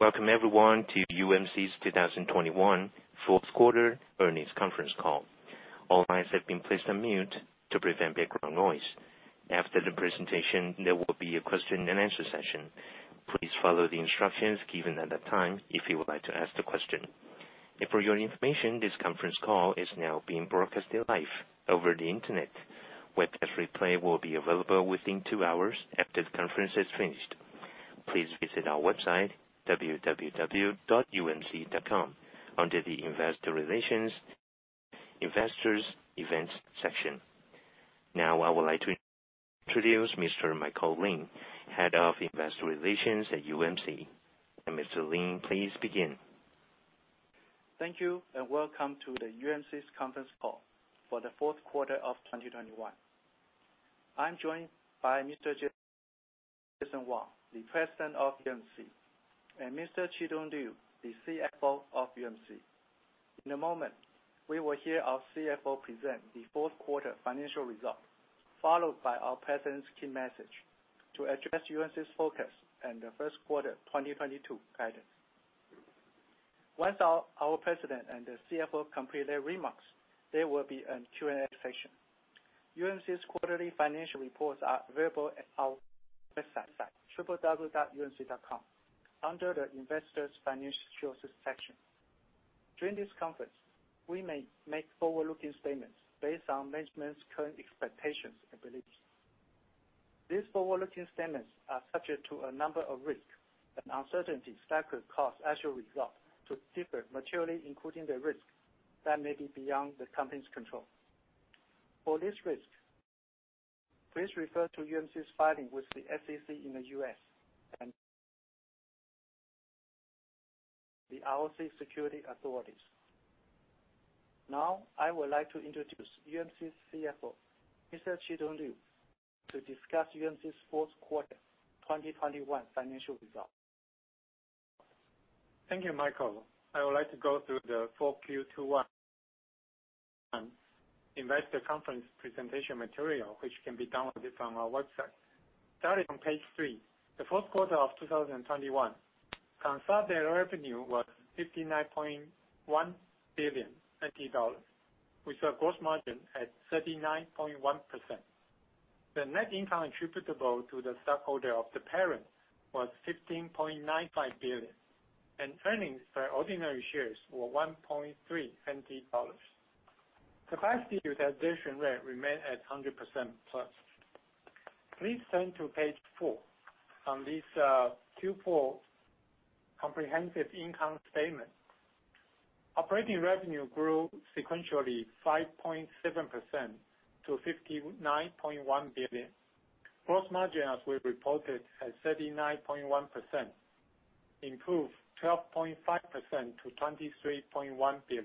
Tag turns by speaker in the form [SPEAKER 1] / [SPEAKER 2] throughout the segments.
[SPEAKER 1] Welcome everyone to UMC's 2021 fourth quarter earnings conference call. All lines have been placed on mute to prevent background noise. After the presentation, there will be a question-and-answer session. Please follow the instructions given at that time if you would like to ask the question. For your information, this conference call is now being broadcasted live over the Internet. Webcast replay will be available within 2 hours after the conference is finished. Please visit our website www.umc.com under the Investor Relations Investors Events section. Now, I would like to introduce Mr. Michael Lin, Head of Investor Relations at UMC. Mr. Lin, please begin.
[SPEAKER 2] Thank you, and welcome to the UMC's conference call for the fourth quarter of 2021. I'm joined by Mr. Jason Wang, the President of UMC, and Mr. Chih-tung Liu, the CFO of UMC. In a moment, we will hear our CFO present the fourth quarter financial results, followed by our president's key message to address UMC's focus and the first quarter 2022 guidance. Once our president and the CFO complete their remarks, there will be a Q&A session. UMC's quarterly financial reports are available at our website www.umc.com under the Investors Financial section. During this conference, we may make forward-looking statements based on management's current expectations and beliefs. These forward-looking statements are subject to a number of risks and uncertainties that could cause actual results to differ materially, including the risks that may be beyond the company's control. For this risk, please refer to UMC's filing with the SEC in the U.S. and the ROC securities authorities. Now, I would like to introduce UMC's CFO, Mr. Chih-tung Liu, to discuss UMC's fourth quarter 2021 financial results.
[SPEAKER 3] Thank you, Michael. I would like to go through the 4Q21 investor conference presentation material, which can be downloaded from our website. Starting from page three, the fourth quarter of 2021 consolidated revenue was 59.1 billion NT dollars, with a gross margin at 39.1%. The net income attributable to the shareholder of the parent was 15.95 billion, and earnings per ordinary shares were 1.3. Capacity utilization rate remained at 100%+. Please turn to page four. On this Q4 comprehensive income statement. Operating revenue grew sequentially 5.7% to 59.1 billion. Gross margin, as we reported, at 39.1%, improved 12.5% to 23.1 billion.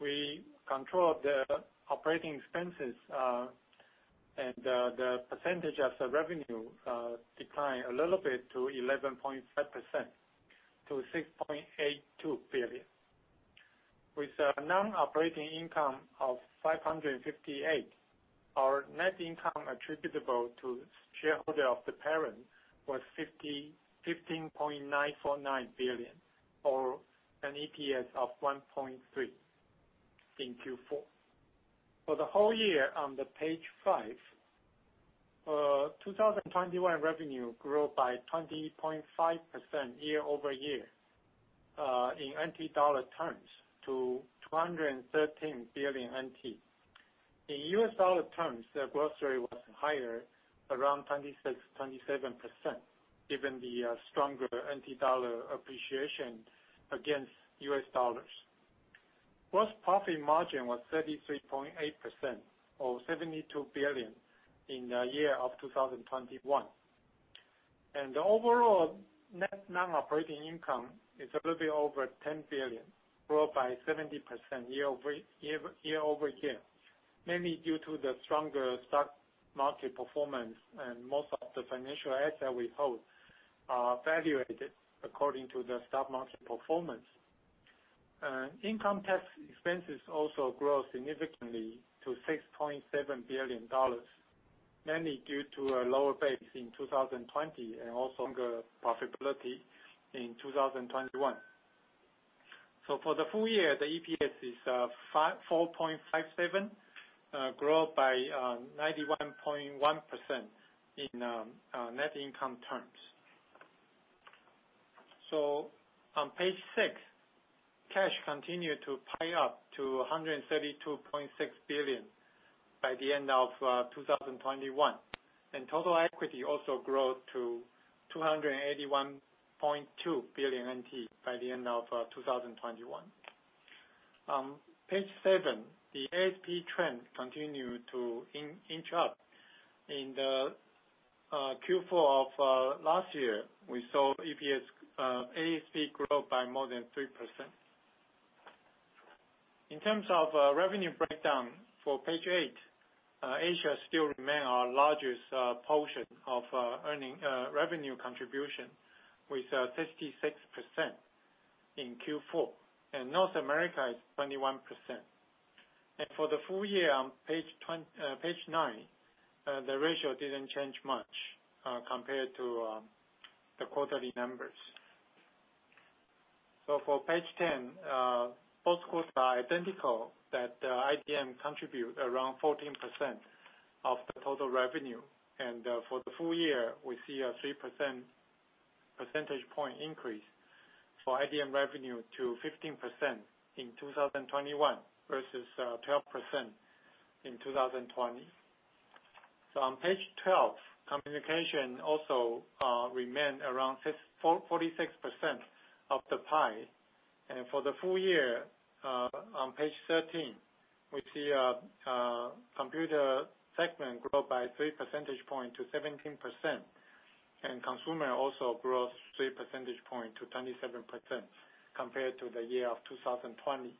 [SPEAKER 3] We controlled the operating expenses, and the percentage of the revenue declined a little bit to 11.5% to 6.82 billion. With a non-operating income of 558 million, our net income attributable to shareholder of the parent was 15.949 billion or an EPS of 1.3 in Q4. For the whole year, on page five, 2021 revenue grew by 20.5% year-over-year in TWD terms to 213 billion NT. In USD terms, the growth rate was higher, around 26%-27%, given the stronger TWD appreciation against US dollars. Gross profit margin was 33.8% or 72 billion in the year of 2021. The overall net non-operating income is a little bit over NT$10 billion, grew up by 70% year-over-year, mainly due to the stronger stock market performance and most of the financial assets we hold are valuated according to the stock market performance. Income tax expenses also grew significantly to NT$6.7 billion, mainly due to a lower base in 2020 and also stronger profitability in 2021. For the full year, the EPS is 4.57, grew up by 91.1% in net income terms. On page six, cash continued to pile up to NT$ 132.6 billion by the end of 2021, and total equity also grew to NT$ 281.2 billion by the end of 2021. On page seven, the ASP trend continued to inch up. In the Q4 of last year, we saw ASP grow by more than 3%. In terms of revenue breakdown for page eight, Asia still remain our largest portion of our revenue contribution with 56% in Q4, and North America is 21%. For the full year on page nine, the ratio didn't change much compared to the quarterly numbers. For page 10, both quotes are identical that IDM contributes around 14% of the total revenue. For the full year, we see a three percentage point increase for IDM revenue to 15% in 2021 versus 12% in 2020. On page 12, Communication also remains around 46% of the pie. For the full year, on page 13, we see a Computer segment grow by three percentage points to 17%, and Consumer also grows three percentage points to 27% compared to the year of 2020.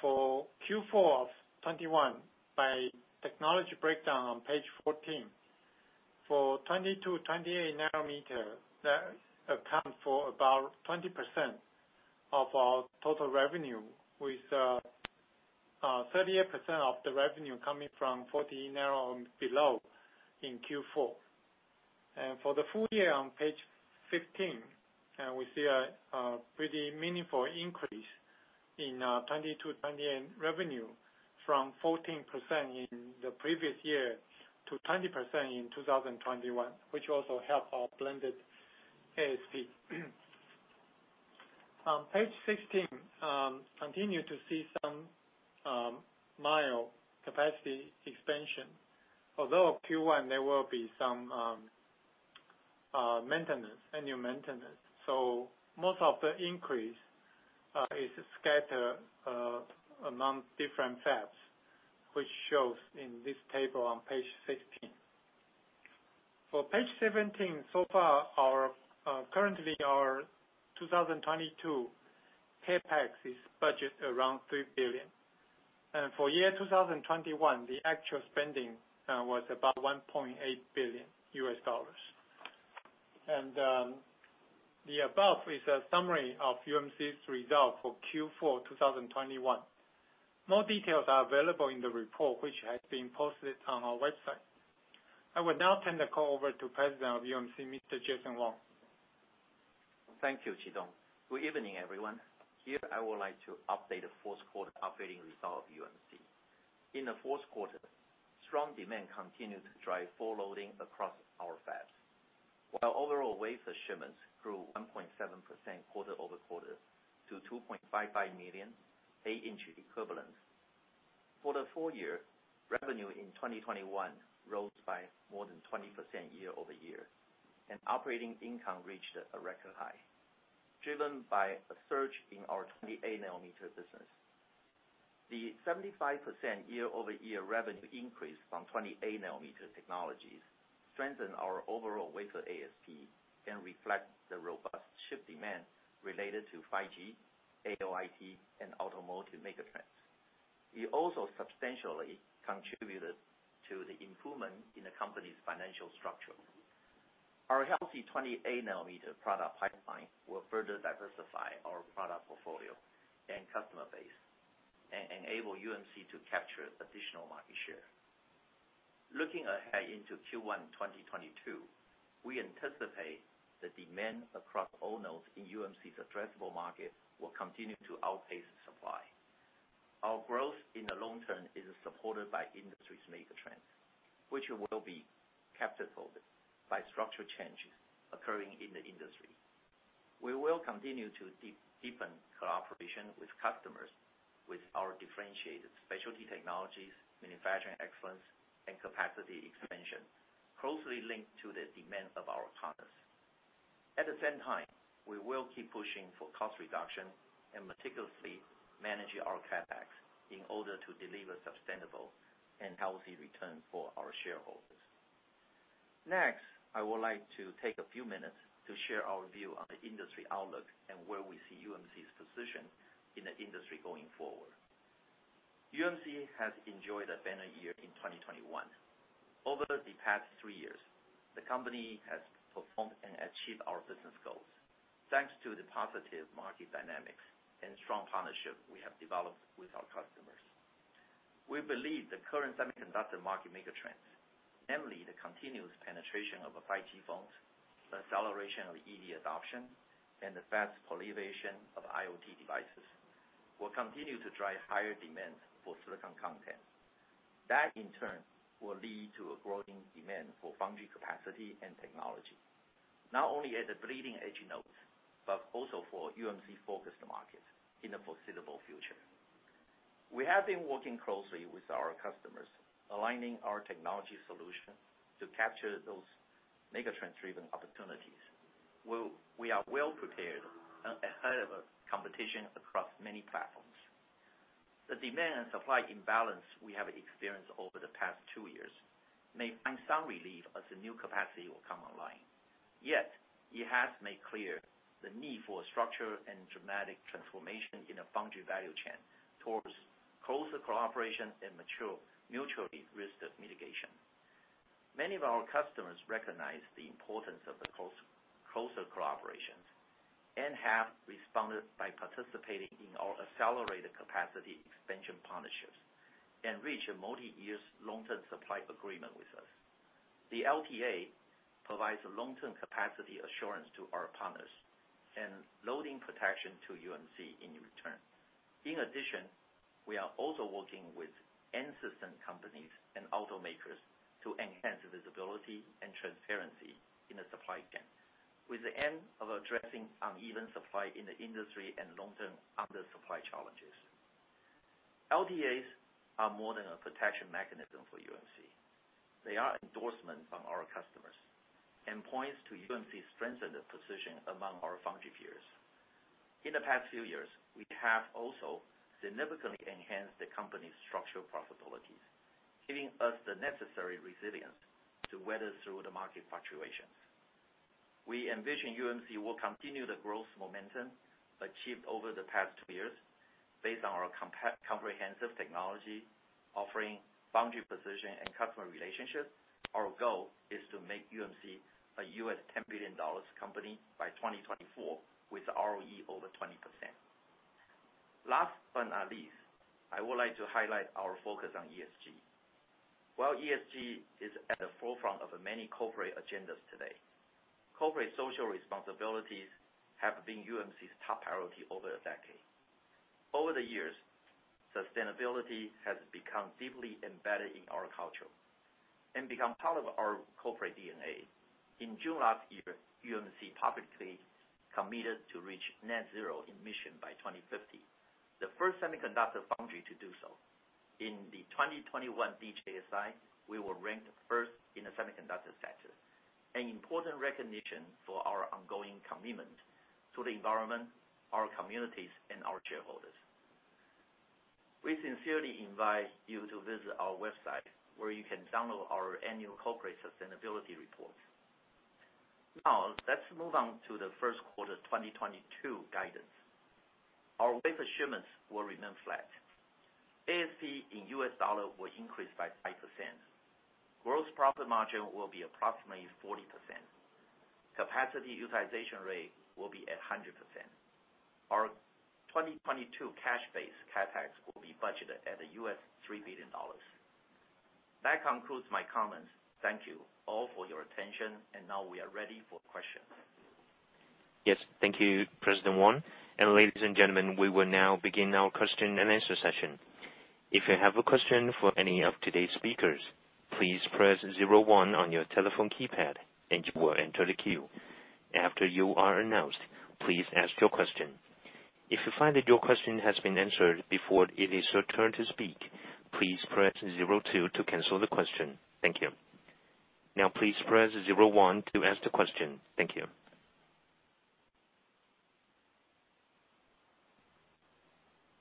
[SPEAKER 3] For Q4 of 2021, by technology breakdown on page 14, for 22, 28 nm, that account for about 20% of our total revenue, with 38% of the revenue coming from 14 nm and below in Q4. For the full year on page 15, we see a pretty meaningful increase in 22, 28 revenue from 14% in the previous year to 20% in 2021, which also help our blended ASP. On page 16, continue to see some mild capacity expansion. Although in Q1 there will be some annual maintenance, so most of the increase is scattered among different fabs, which shows in this table on page 16. On page 17, so far currently our 2022 CapEx is budget around $3 billion. For year 2021, the actual spending was about $1.8 billion. The above is a summary of UMC's results for Q4 2021. More details are available in the report, which has been posted on our website. I will now turn the call over to President of UMC, Mr. Jason Wang.
[SPEAKER 4] Thank you, Chih-tung. Good evening, everyone. I would like to update the fourth quarter operating result of UMC. In the fourth quarter, strong demand continued to drive full loading across our fabs. While overall wafer shipments grew 1.7% quarter-over-quarter to 2.55 million 8 inch equivalents. For the full-year, revenue in 2021 rose by more than 20% year-over-year, and operating income reached a record high, driven by a surge in our 28 nm business. The 75% year-over-year revenue increase from 20 nm technologies strengthen our overall wafer ASP and reflect the robust shift demand related to 5G, AIoT and automotive megatrends. It also substantially contributed to the improvement in the company's financial structure. Our healthy 28 nm product pipeline will further diversify our product portfolio and customer base enable UMC to capture additional market share. Looking ahead into Q1 2022, we anticipate the demand across all nodes in UMC's addressable market will continue to outpace the supply. Our growth in the long term is supported by industry megatrends, which will be capitalized by structural changes occurring in the industry. We will continue to deepen cooperation with customers with our differentiated specialty technologies, manufacturing excellence and capacity expansion, closely linked to the demands of our partners. At the same time, we will keep pushing for cost reduction and meticulously managing our CapEx in order to deliver sustainable and healthy returns for our shareholders. Next, I would like to take a few minutes to share our view on the industry outlook and where we see UMC's position in the industry going forward. UMC has enjoyed a banner year in 2021. Over the past three years, the company has performed and achieved our business goals, thanks to the positive market dynamics and strong partnership we have developed with our customers. We believe the current semiconductor market megatrends, namely the continuous penetration of 5G phones, the acceleration of EV adoption, and the fast proliferation of IoT devices, will continue to drive higher demand for silicon content. That, in turn, will lead to a growing demand for foundry capacity and technology, not only at the bleeding edge nodes, but also for UMC-focused market in the foreseeable future. We have been working closely with our customers, aligning our technology solution to capture those megatrend-driven opportunities. We are well prepared and ahead of competition across many platforms. The demand and supply imbalance we have experienced over the past two years may find some relief as the new capacity will come online. Yet, it has made clear the need for structure and dramatic transformation in a foundry value chain towards closer cooperation and mature mutual risk mitigation. Many of our customers recognize the importance of the closer collaborations and have responded by participating in our accelerated capacity expansion partnerships and reach a multiyear long-term supply agreement with us. The LTA provides long-term capacity assurance to our partners and loading protection to UMC in return. In addition, we are also working with end system companies and automakers to enhance visibility and transparency in the supply chain, with the aim of addressing uneven supply in the industry and long-term under-supply challenges. LTAs are more than a protection mechanism for UMC. They are endorsement from our customers and point to UMC's strengthened position among our foundry peers. In the past few years, we have also significantly enhanced the company's structural profitability, giving us the necessary resilience to weather through the market fluctuations. We envision UMC will continue the growth momentum achieved over the past two years based on our comprehensive technology offering, foundry position, and customer relationship. Our goal is to make UMC a $10 billion company by 2024 with ROE over 20%. Last but not least, I would like to highlight our focus on ESG. While ESG is at the forefront of many corporate agendas today, corporate social responsibilities have been UMC's top priority over a decade. Over the years, sustainability has become deeply embedded in our culture and become part of our corporate DNA. In June last year, UMC publicly committed to reach net zero emission by 2050, the first semiconductor foundry to do so. In the 2021 DJSI, we were ranked first in the semiconductor sector, an important recognition for our ongoing commitment to the environment, our communities, and our shareholders. We sincerely invite you to visit our website, where you can download our annual corporate sustainability report. Now, let's move on to the first quarter 2022 guidance. Our wafer shipments will remain flat. ASP in US dollar will increase by 5%. Gross profit margin will be approximately 40%. Capacity utilization rate will be at 100%. Our 2022 cash-based CapEx will be budgeted at $3 billion. That concludes my comments. Thank you all for your attention. Now we are ready for questions.
[SPEAKER 1] Yes, thank you, President Wang. Ladies and gentlemen, we will now begin our question-and-answer session. If you have a question for any of today's speakers, please press zero one on your telephone keypad, and you will enter the queue. After you are announced, please ask your question. If you find that your question has been answered before it is your turn to speak, please press zero two to cancel the question. Thank you. Now, please press zero one to ask the question. Thank you.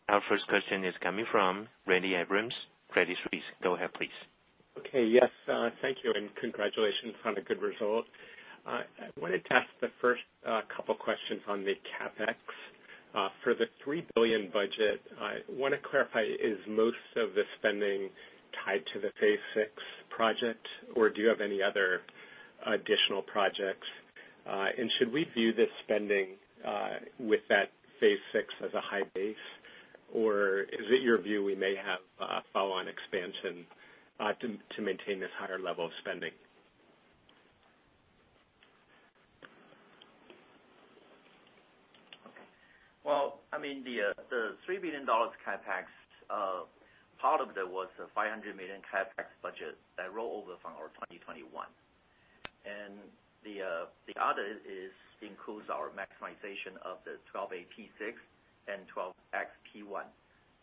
[SPEAKER 1] Our first question is coming from Randy Abrams, Credit Suisse. Go ahead, please.
[SPEAKER 5] Okay. Yes, thank you, and congratulations on a good result. I wanted to ask the first couple questions on the CapEx. For the $3 billion budget, I wanna clarify, is most of the spending tied to the Phase Six project, or do you have any other additional projects? And should we view this spending with that Phase Six as a high base, or is it your view we may have follow-on expansion to maintain this higher level of spending?
[SPEAKER 4] Okay. Well, I mean, the $3 billion CapEx, part of that was the $500 million CapEx budget that rolled over from our 2021. The other includes our maximization of the 12A P6 and 12X P1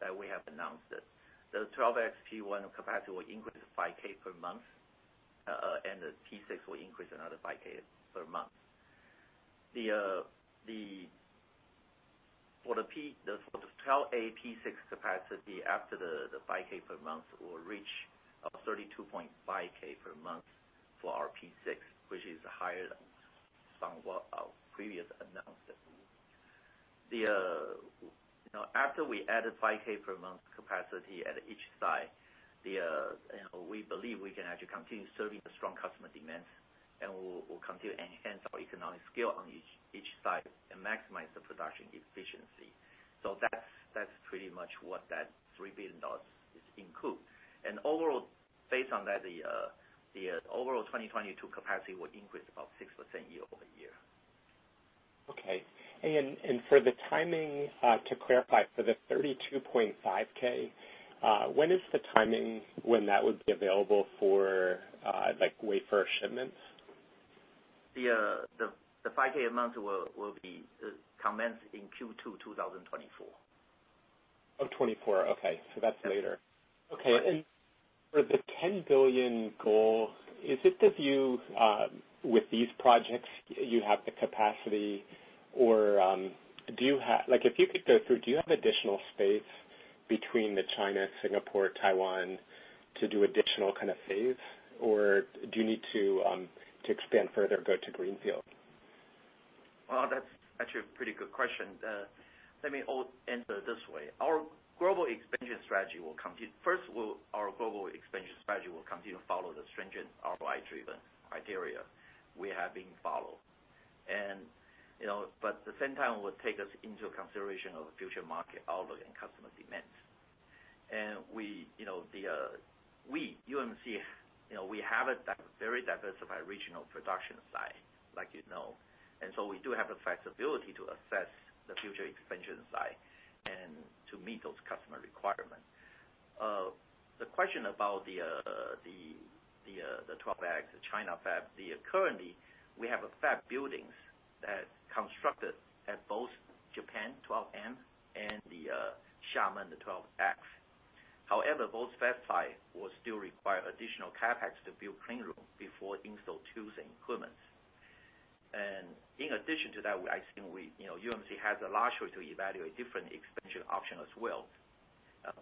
[SPEAKER 4] that we have announced. The 12X P1 capacity will increase 5,000 per month, and the P6 will increase another 5,000 per month. For the 12A P6 capacity after the 5,000 per month will reach 32,500 per month for our P6, which is higher than what we previously announced. You know, after we added 5,000 per month capacity at each side, you know, we believe we can actually continue serving the strong customer demands, and we'll continue to enhance our economic scale on each side and maximize the production efficiency. That's pretty much what that $3 billion includes. Overall, based on that, the overall 2022 capacity will increase about 6% year-over-year.
[SPEAKER 5] Okay. For the timing, to clarify for the 32,500, when is the timing when that would be available for, like, wafer shipments?
[SPEAKER 4] The 5,000 amount will be commenced in Q2 2024.
[SPEAKER 5] Of 2024. Okay. That's later.
[SPEAKER 4] Yes.
[SPEAKER 5] Okay. For the $10 billion goal, is it the view with these projects you have the capacity or, like, if you could go through, do you have additional space between China, Singapore, Taiwan to do additional kind of phase? Or do you need to expand further, go to greenfield?
[SPEAKER 4] Well, that's actually a pretty good question. Let me answer this way. Our global expansion strategy will continue to follow the stringent ROI-driven criteria we have been following. You know, but at the same time, we will take into consideration of future market outlook and customer demand. We, UMC, you know, we have a very diversified regional production site, like you know, and so we do have the flexibility to assess the future expansion site and to meet those customer requirements. The question about the Fab 12X, the China fab. Currently, we have fab buildings that are constructed at both the Japan Fab 12N and the Xiamen Fab 12X. However, both fab sites will still require additional CapEx to build cleanrooms before installing tools and equipment. In addition to that, I think we, you know, UMC has a long way to evaluate different expansion options as well,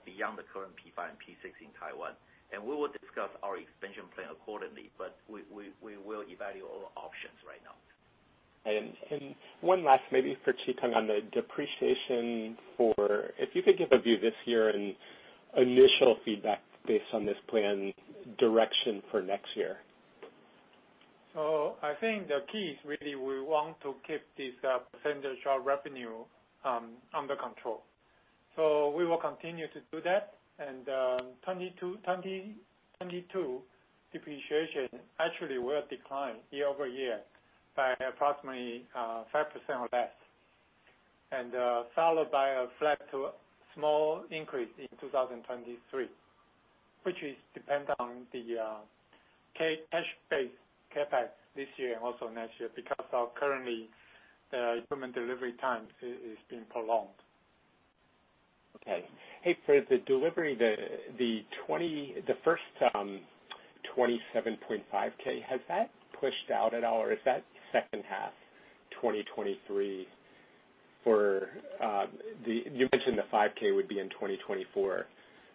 [SPEAKER 4] beyond the current P5 and P6 in Taiwan. We will discuss our expansion plan accordingly, but we will evaluate all options right now.
[SPEAKER 5] One last maybe for Chih-tung on the depreciation. If you could give a view this year and initial feedback based on this plan direction for next year.
[SPEAKER 3] I think the key is really we want to keep this percentage of revenue under control. We will continue to do that. 2022 depreciation actually will decline year-over-year by approximately 5% or less. Followed by a flat to small increase in 2023, which depends on the cash-based CapEx this year and also next year because our current equipment delivery time is being prolonged.
[SPEAKER 5] Okay. Hey, for the delivery, the first 27,500, has that pushed out at all, or is that second half 2023. You mentioned the 5,000 would be in 2024.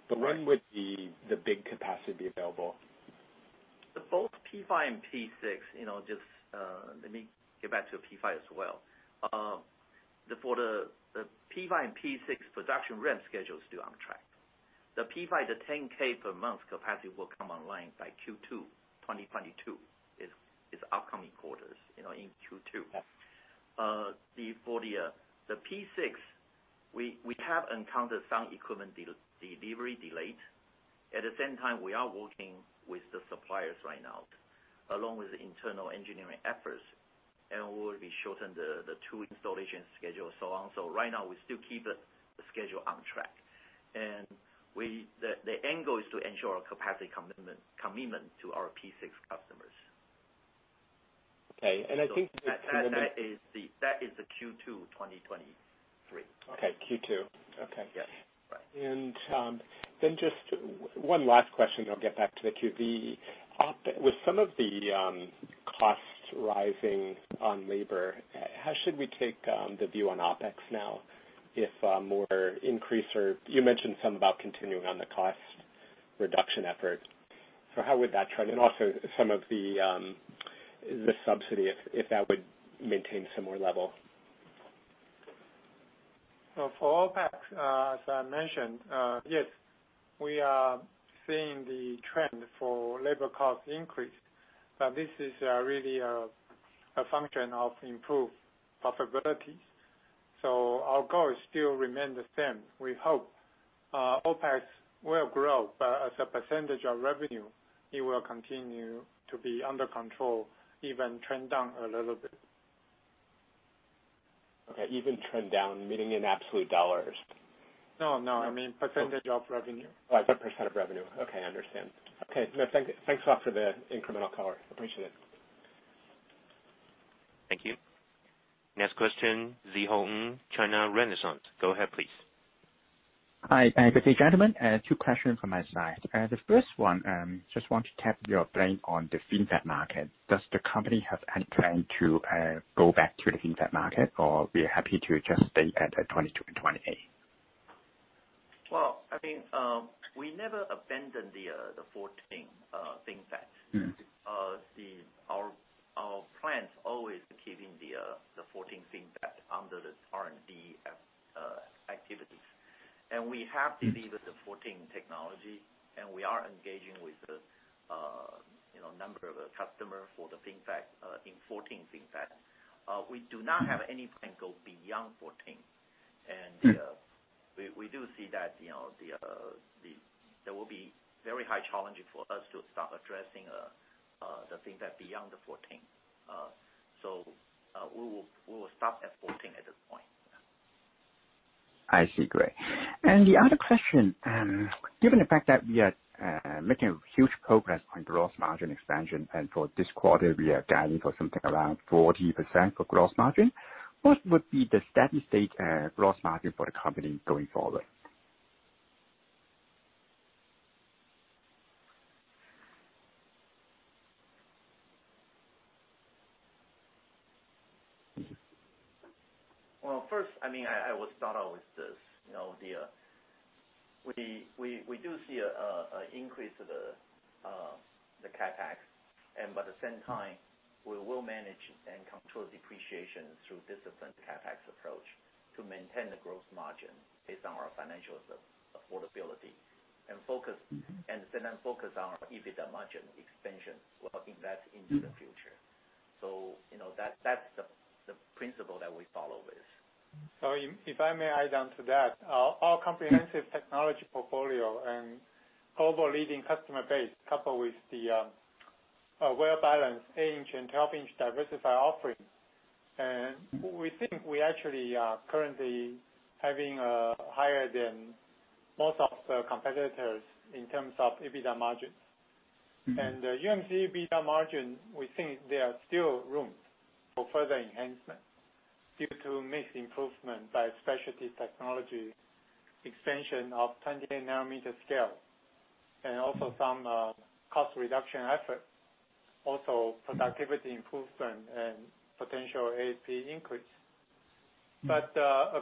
[SPEAKER 5] When would the big capacity be available?
[SPEAKER 4] Both P5 and P6, let me get back to P5 as well. P5 and P6 production ramp schedules are on track. P5, 10,000 per month capacity will come online by Q2 2022, upcoming quarters, in Q2. P6, we have encountered some equipment delivery delays. At the same time, we are working with the suppliers right now, along with internal engineering efforts, and we'll shorten the tool installation schedule. Right now, we still keep the schedule on track. The end goal is to ensure our capacity commitment to our P6 customers.
[SPEAKER 5] Okay. I think.
[SPEAKER 4] That is the Q2 2023.
[SPEAKER 5] Okay, Q2. Okay.
[SPEAKER 4] Yes. Right.
[SPEAKER 5] Just one last question, and I'll get back to the queue. With some of the costs rising on labor, how should we take the view on OpEx now if a more increase or? You mentioned something about continuing on the cost reduction effort. How would that trend? Also some of the subsidy, if that would maintain similar level.
[SPEAKER 3] For OpEx, as I mentioned, yes, we are seeing the trend for labor cost increase, but this is, really, a function of improved profitability. Our goal still remain the same. We hope, OpEx will grow, but as a percentage of revenue, it will continue to be under control, even trend down a little bit.
[SPEAKER 5] Okay. Even trend down, meaning in absolute dollars?
[SPEAKER 3] No, no. I mean percentage of revenue.
[SPEAKER 5] Oh, percentage of revenue. Okay, I understand. Okay. No, thanks a lot for the incremental color. Appreciate it.
[SPEAKER 1] Thank you. Next question, Zhihong, China Renaissance. Go ahead, please.
[SPEAKER 6] Hi. Good day, gentlemen. Two questions from my side. The first one, I just want to tap your brain on the FinFET market. Does the company have any plan to go back to the FinFET market or be happy to just stay at 22 and 28?
[SPEAKER 4] Well, I think we never abandoned the 14 FinFET.
[SPEAKER 6] Mm-hmm.
[SPEAKER 4] Our plans always keeping the 14 FinFET under the R&D activities. We have delivered the 14 technology, and we are engaging with, you know, a number of customers for the FinFET in 14 FinFET. We do not have any plans to go beyond 14. We do see that, you know, there will be very highly challenging for us to start addressing the FinFET beyond the 14. We will stop at 14 at this point.
[SPEAKER 6] I see. Great. The other question, given the fact that we are making huge progress on gross margin expansion, and for this quarter we are guiding for something around 40% for gross margin, what would be the steady-state gross margin for the company going forward?
[SPEAKER 4] Well, first, I mean, I would start out with this. You know, we do see an increase of the CapEx, and at the same time, we will manage and control depreciation through disciplined CapEx approach to maintain the gross margin based on our financial affordability and focus.
[SPEAKER 3] Mm-hmm.
[SPEAKER 4] focus on EBITDA margin expansion will invest into the future. You know, that's the principle that we follow with.
[SPEAKER 3] If I may add on to that, our comprehensive technology portfolio and global leading customer base, coupled with the well-balanced mix and helping diversify offerings, and we think we actually are currently having higher than most of the competitors in terms of EBITDA margins.
[SPEAKER 4] Mm-hmm.
[SPEAKER 3] UMC EBITDA margin, we think there are still room for further enhancement due to mix improvement by specialty technology, expansion of 20 nm scale, and also some cost reduction effort, also productivity improvement and potential ASP increase.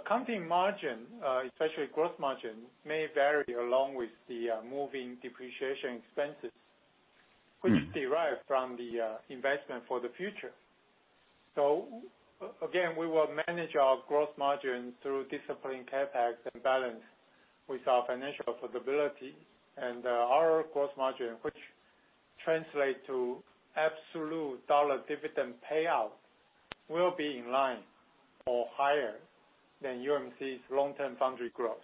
[SPEAKER 3] Company margin, especially gross margin, may vary along with the moving depreciation expenses, which derive from the investment for the future. Again, we will manage our gross margin through disciplined CapEx and balance with our financial affordability and our gross margin, which translate to absolute dollar dividend payout, will be in line or higher than UMC's long-term foundry growth.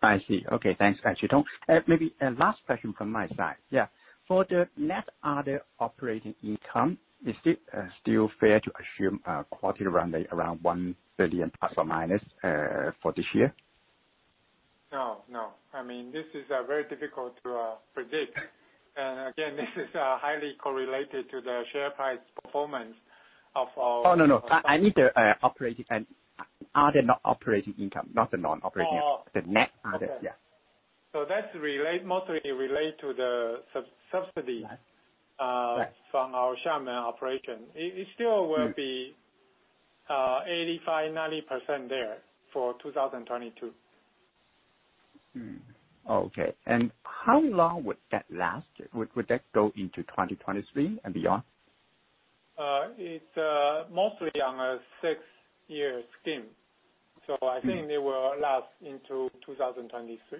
[SPEAKER 6] Thanks. Thanks, Chih-tung. Maybe a last question from my side. For the net other operating income, is it still fair to assume quarterly run-rate around 1 billion± for this year?
[SPEAKER 4] No, no. I mean, this is very difficult to predict. Again, this is highly correlated to the share price performance of our-
[SPEAKER 6] Oh, no. I need the operating and other non-operating income, not the non-operating income.
[SPEAKER 4] Oh.
[SPEAKER 6] The net other.
[SPEAKER 4] Okay.
[SPEAKER 6] Yeah.
[SPEAKER 4] That's mostly related to the subsidy.
[SPEAKER 3] Right.
[SPEAKER 4] From our Xiamen operation. It still will be 85%-90% there for 2022.
[SPEAKER 6] Mm-hmm. Okay. How long would that last? Would that go into 2023 and beyond?
[SPEAKER 4] It's mostly on a six-year scheme. I think they will last into 2023.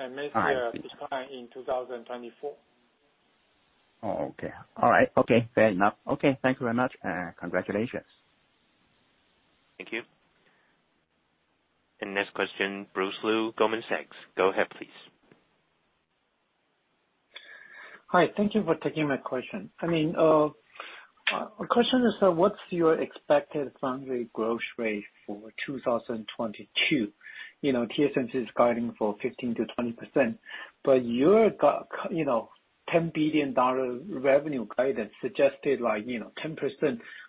[SPEAKER 6] All right. I see.
[SPEAKER 4] Maybe decline in 2024.
[SPEAKER 6] Oh, okay. All right. Okay. Fair enough. Okay. Thank you very much, and congratulations.
[SPEAKER 1] Thank you. Next question, Bruce Lu, Goldman Sachs. Go ahead, please.
[SPEAKER 7] Hi. Thank you for taking my question. I mean, my question is, what's your expected foundry growth rate for 2022? You know, TSMC is guiding for 15%-20%, but your you know, $10 billion revenue guidance suggested like, you know, 10%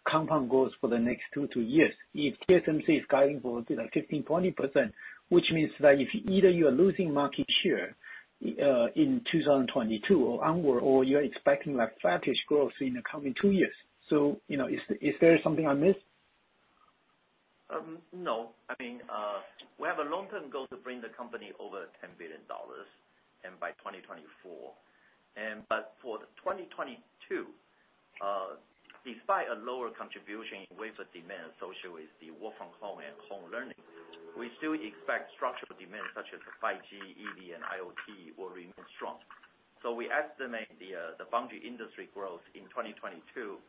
[SPEAKER 7] compound growth for the next two-three years. If TSMC is guiding for, you know, 15%-20%, which means that if either you are losing market share in 2022 or onward or you're expecting like flattish growth in the coming two years. You know, is there something I missed?
[SPEAKER 4] No. I mean, we have a long-term goal to bring the company over $10 billion, and by 2024. But for 2022, despite a lower contribution in wafer demand associated with the work from home and home learning, we still expect structural demand such as 5G, EV, and IoT will remain strong. We estimate the foundry industry growth in 2022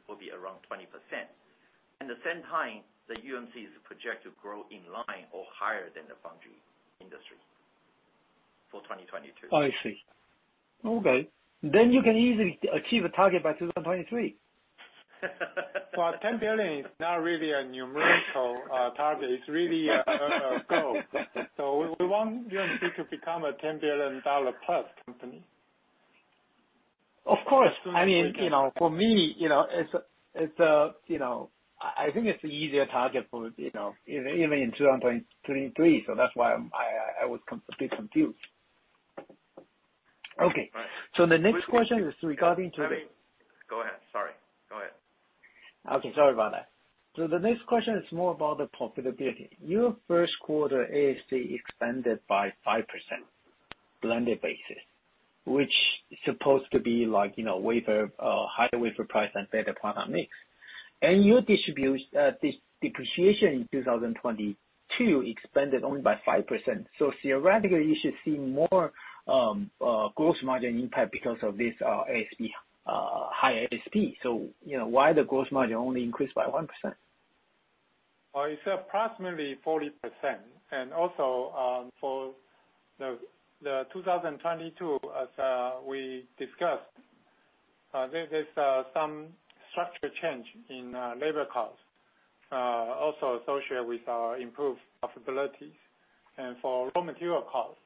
[SPEAKER 4] will be around 20%. At the same time, the UMC is projected to grow in line or higher than the foundry industry for 2022.
[SPEAKER 7] I see. Okay. You can easily achieve a target by 2023.
[SPEAKER 3] Well, 10 billion is not really a numerical target. It's really a goal. We want UMC to become a $10 billion+ company.
[SPEAKER 7] Of course. I mean, you know, for me, you know, it's a, you know, I think it's an easier target for, you know, even in 2023. That's why I was a bit confused. Okay.
[SPEAKER 4] Right.
[SPEAKER 7] The next question is regarding to-
[SPEAKER 4] Go ahead. Sorry. Go ahead.
[SPEAKER 7] Okay. Sorry about that. The next question is more about the profitability. Your first quarter ASP expanded by 5% blended basis, which is supposed to be like, you know, wafer higher wafer price and better product mix. Your depreciation in 2022 expanded only by 5%. Theoretically, you should see more gross margin impact because of this ASP higher ASP. You know, why the gross margin only increased by 1%?
[SPEAKER 4] It's approximately 40%. Also, for 2022, as we discussed, there is some structural change in labor costs, also associated with our improved profitability. For raw material costs,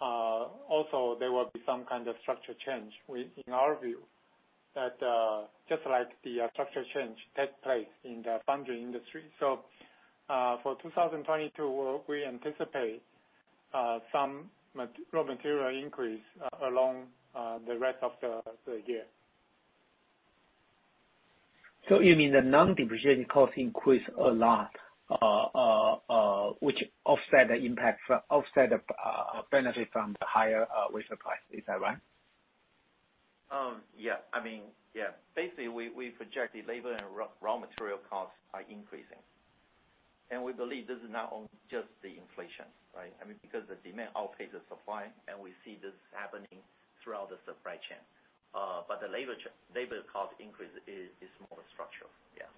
[SPEAKER 4] also there will be some kind of structural change with, in our view that just like the structural change takes place in the foundry industry. For 2022, we anticipate Some raw material increase along the rest of the year.
[SPEAKER 7] You mean the non-depreciating cost increased a lot, which offset the benefit from the higher wafer price. Is that right?
[SPEAKER 4] Yeah. I mean, yeah. Basically, we project the labor and raw material costs are increasing. We believe this is not only just the inflation, right? I mean, because the demand outpaces supply, and we see this happening throughout the supply chain. But the labor cost increase is more structural. Yeah.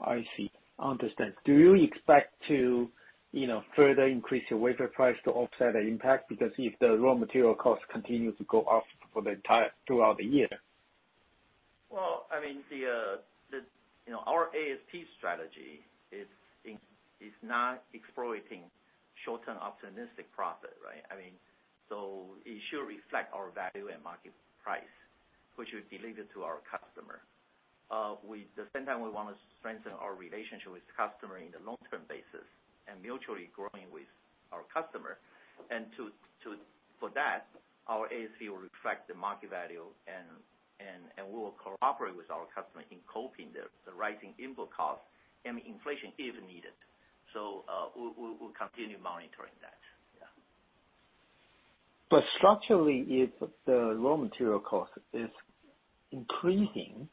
[SPEAKER 7] I see. I understand. Do you expect to, you know, further increase your wafer price to offset the impact? Because if the raw material cost continues to go up throughout the year.
[SPEAKER 4] Well, I mean, you know, our ASP strategy is not exploiting short-term opportunistic profit, right? I mean, it should reflect our value and market price, which we delivered to our customer. At the same time we wanna strengthen our relationship with the customer in the long-term basis, and mutually growing with our customer. For that, our ASP will reflect the market value, and we will cooperate with our customer in coping the rising input cost, and the inflation if needed. We'll continue monitoring that. Yeah.
[SPEAKER 7] Structurally, if the raw material cost is increasing,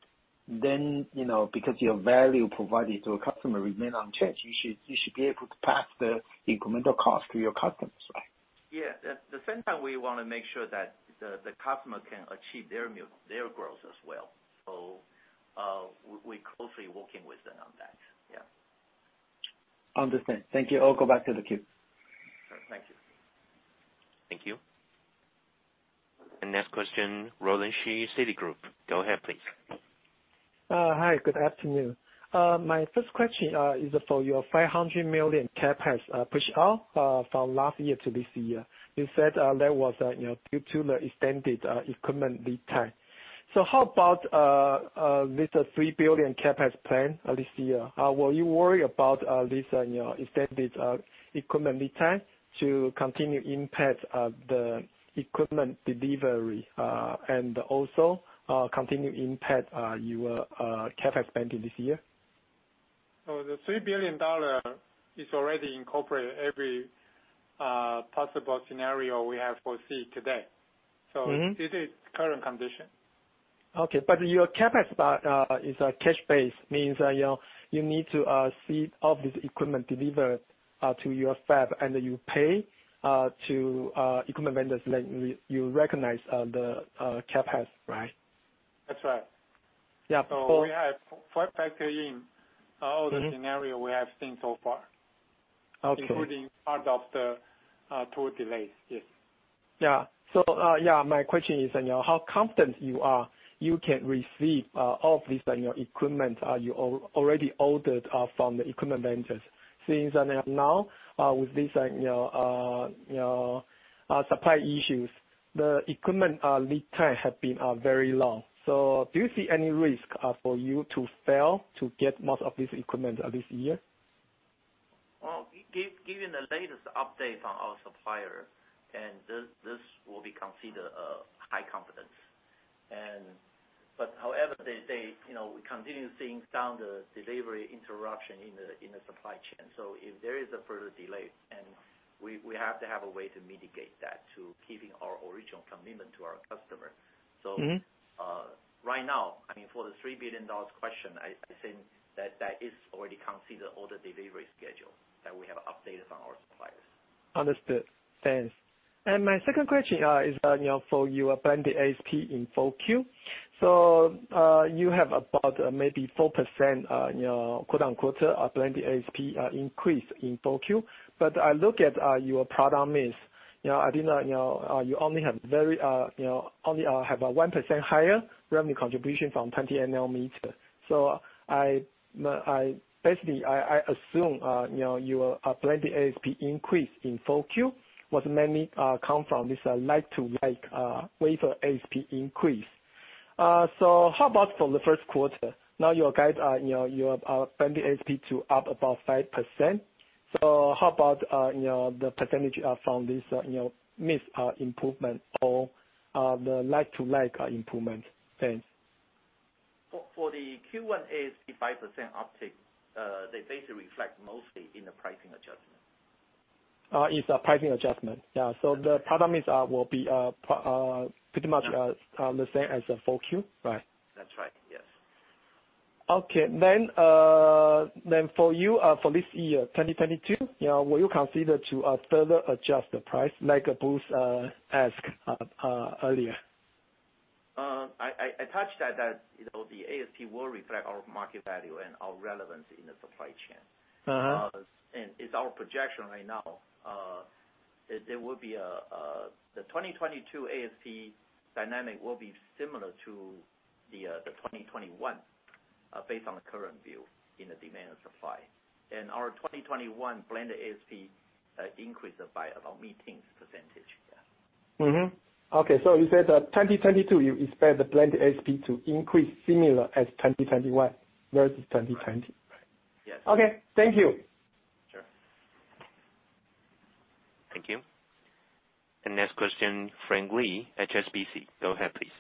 [SPEAKER 7] then, you know, because your value provided to a customer remain unchanged, you should be able to pass the incremental cost to your customers, right?
[SPEAKER 4] Yeah. At the same time, we wanna make sure that the customer can achieve their growth as well. We closely working with them on that. Yeah.
[SPEAKER 7] Understand. Thank you. I'll go back to the queue.
[SPEAKER 4] Thank you.
[SPEAKER 1] Thank you. The next question, Roland Shu, Citigroup. Go ahead, please.
[SPEAKER 8] Hi. Good afternoon. My first question is for your $500 million CapEx pushed out from last year to this year. You said that was, you know, due to the extended equipment lead time. How about this $3 billion CapEx plan this year? Were you worried about this, you know, extended equipment lead time to continue impact the equipment delivery, and also continue impact your CapEx spending this year?
[SPEAKER 4] The $3 billion is already incorporated in every possible scenario we have foreseen today.
[SPEAKER 8] Mm-hmm.
[SPEAKER 4] This is current condition.
[SPEAKER 8] Okay. Your CapEx is cash based, means that you know you need to see all this equipment delivered to your fab, and you pay to equipment vendors like you recognize the CapEx, right?
[SPEAKER 4] That's right.
[SPEAKER 8] Yeah.
[SPEAKER 4] We have factored in all the scenarios we have seen so far.
[SPEAKER 8] Okay.
[SPEAKER 4] Including part of the tool delays. Yes.
[SPEAKER 8] My question is, you know, how confident you are you can receive all of this, you know, equipment you already ordered from the equipment vendors? Since then and now, with this, you know, you know, supply issues, the equipment lead time have been very long. Do you see any risk for you to fail to get most of these equipment this year?
[SPEAKER 4] Well, given the latest update from our supplier, this will be considered with high confidence. However, they say, you know, we continue seeing delivery interruptions in the supply chain. If there is a further delay, we have to have a way to mitigate that to keeping our original commitment to our customer.
[SPEAKER 8] Mm-hmm.
[SPEAKER 4] Right now, I mean, for the $3 billion question, I think that is already considered all the delivery schedule that we have updated from our suppliers.
[SPEAKER 8] Understood. Thanks. My second question is, you know, for your blended ASP in 4Q. You have about maybe 4%, you know, quote-unquote blended ASP increase in 4Q. But I look at your product mix. You know, I do not, you know, you only have a 1% higher revenue contribution from 20 nm. I basically assume, you know, your blended ASP increase in 4Q was mainly came from this like-for-like wafer ASP increase. How about for the first quarter? Now your guides are, you know, your blended ASP to be up about 5%. How about, you know, the percentage from this, you know, mix improvement or the like-for-like improvement? Thanks.
[SPEAKER 4] For the Q1 ASP 5% uptick, they basically reflect mostly in the pricing adjustment.
[SPEAKER 8] It's a pricing adjustment. Yeah. The product mix will be pretty much the same as the 4Q, right?
[SPEAKER 4] That's right. Yes.
[SPEAKER 8] For you, for this year, 2022, you know, will you consider to further adjust the price like Bruce asked earlier?
[SPEAKER 4] I touched that, you know, the ASP will reflect our market value and our relevancy in the supply chain.
[SPEAKER 8] Uh-huh.
[SPEAKER 4] It's our projection right now. The 2022 ASP dynamic will be similar to the 2021, based on the current view in the demand and supply. Our 2021 blended ASP increased by about mid-teens percentage.
[SPEAKER 8] Okay. You said that 2022, you expect the blended ASP to increase similar as 2021 versus 2020.
[SPEAKER 4] Right. Yes.
[SPEAKER 8] Okay, thank you.
[SPEAKER 4] Sure.
[SPEAKER 1] Thank you. Next question, Frank Lee, HSBC. Go ahead, please.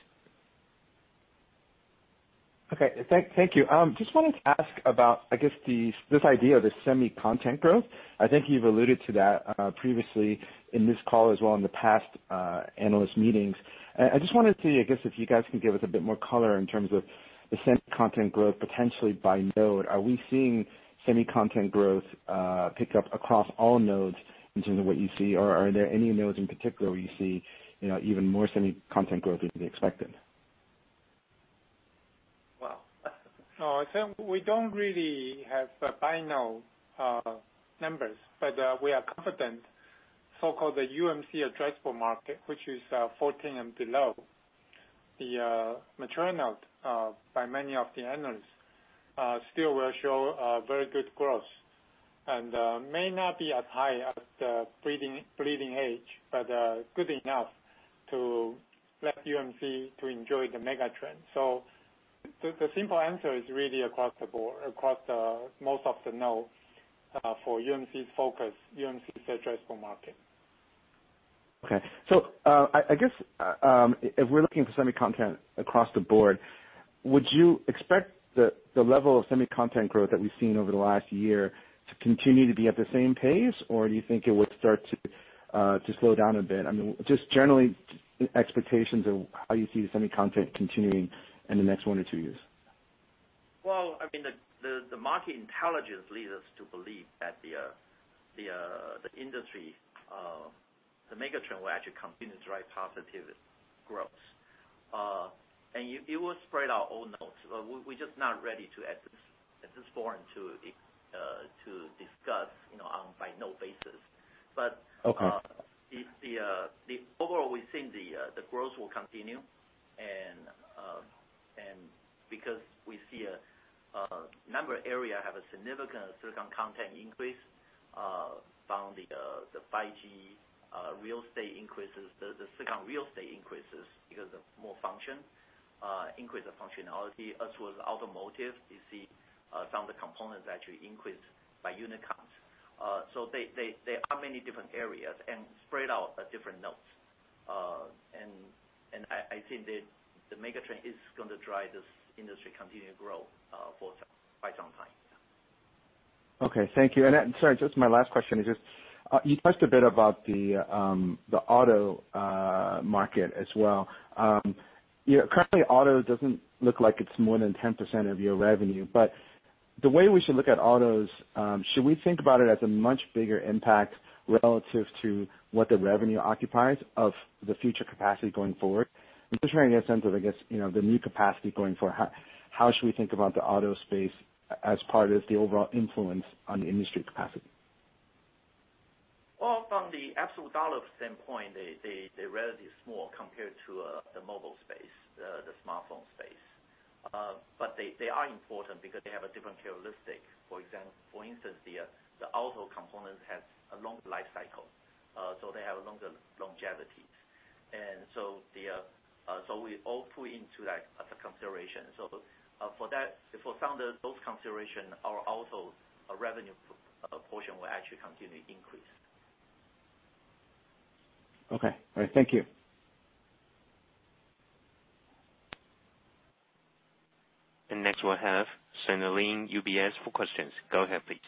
[SPEAKER 9] Okay. Thank you. Just wanted to ask about, I guess, this idea of the semi-content growth. I think you've alluded to that previously in this call as well in the past analyst meetings. I just wanted to, I guess, if you guys can give us a bit more color in terms of the semi content growth potentially by node. Are we seeing semi content growth pick up across all nodes in terms of what you see? Or are there any nodes in particular where you see, you know, even more semi content growth than expected?
[SPEAKER 4] Well, we don't really have the by node numbers. We are confident so-called the UMC addressable market, which is 14 and below. The mature node by many of the analysts still will show very good growth. May not be as high as the bleeding edge, but good enough to let UMC to enjoy the mega trend. The simple answer is really across the board, across the most of the node for UMC's focus, UMC's addressable market.
[SPEAKER 9] Okay. I guess if we're looking for semi content across the board, would you expect the level of semi content growth that we've seen over the last year to continue to be at the same pace? Or do you think it would start to slow down a bit? I mean, just generally expectations of how you see the semi content continuing in the next one-two years.
[SPEAKER 4] Well, I mean, the market intelligence leads us to believe that the industry megatrend will actually continue to drive positive growth. It will spread our own nodes. We're just not ready, at this point, to discuss, you know, on by node basis.
[SPEAKER 9] Okay.
[SPEAKER 4] The overall, we think the growth will continue and because we see a number of areas have a significant silicon content increase from the 5G real estate increases. The silicon real estate increases because of more functions increase the functionality. As well as automotive, you see, some of the components actually increased by unit counts. So there are many different areas and spread out at different nodes. I think the megatrend is gonna drive this industry continue to grow for some time, yeah.
[SPEAKER 9] Okay, thank you. Sorry, just my last question is just, you touched a bit about the auto market as well. You know, currently auto doesn't look like it's more than 10% of your revenue. The way we should look at autos, should we think about it as a much bigger impact relative to what the revenue occupies of the future capacity going forward? I'm just trying to get a sense of, I guess, you know, the new capacity going forward. How should we think about the auto space as part of the overall influence on the industry capacity?
[SPEAKER 4] Well, from the absolute dollar standpoint, they're relatively small compared to the mobile space, the smartphone space. But they are important because they have a different characteristic. For instance, the auto components has a long life cycle. They have a longer longevity. We all put into that as a consideration. For some of those consideration, our auto revenue portion will actually continue to increase.
[SPEAKER 9] Okay. All right, thank you.
[SPEAKER 1] Next we'll have Sunny Lin, UBS for questions. Go ahead, please.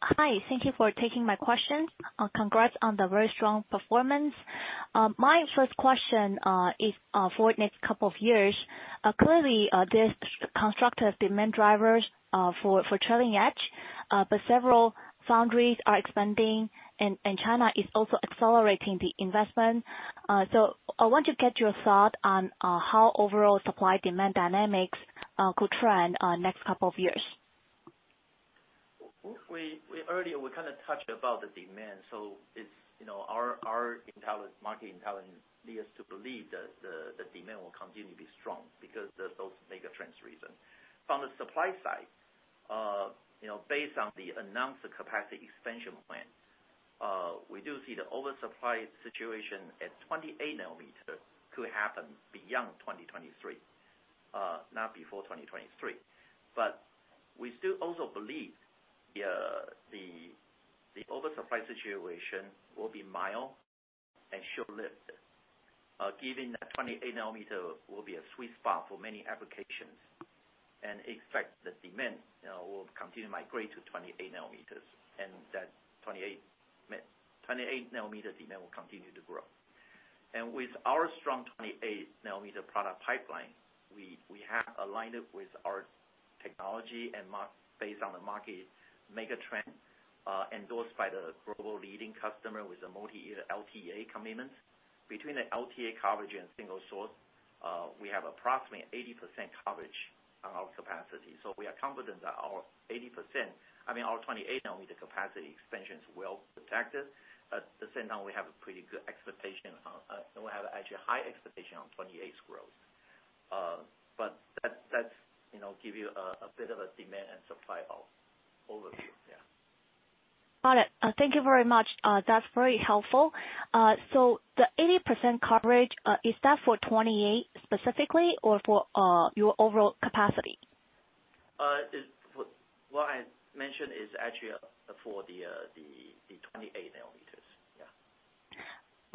[SPEAKER 10] Hi. Thank you for taking my questions. Congrats on the very strong performance. My first question is for next couple of years, clearly this constructive demand drivers for trailing edge, but several foundries are expanding and China is also accelerating the investment. I want to get your thought on how overall supply demand dynamics could trend next couple of years.
[SPEAKER 4] We earlier kinda touched on the demand. Our market intelligence leads us to believe that the demand will continue to be strong because those megatrends are the reason. From the supply side, based on the announced capacity expansion plan, we do see the oversupply situation at 28-nm could happen beyond 2023, not before 2023. We still also believe the oversupply situation will be mild and short-lived, given that 28-nm will be a sweet spot for many applications, and expect the demand will continue to migrate to 28-nm, and that 28-nm demand will continue to grow. With our strong 28-nm product pipeline, we have aligned it with our technology and market-based on the market megatrend, endorsed by the global leading customer with a multi-year LTA commitment. Between the LTA coverage and single source, we have approximately 80% coverage on our capacity. We are confident that our 80%, I mean, our 28-nm capacity expansions will protect us. At the same time, we have a pretty good expectation. We have actually high expectation on 28's growth. But that's, you know, give you a bit of a demand and supply overview.
[SPEAKER 10] Got it. Thank you very much. That's very helpful. The 80% coverage, is that for 28 specifically or for your overall capacity?
[SPEAKER 4] What I mentioned is actually for the 28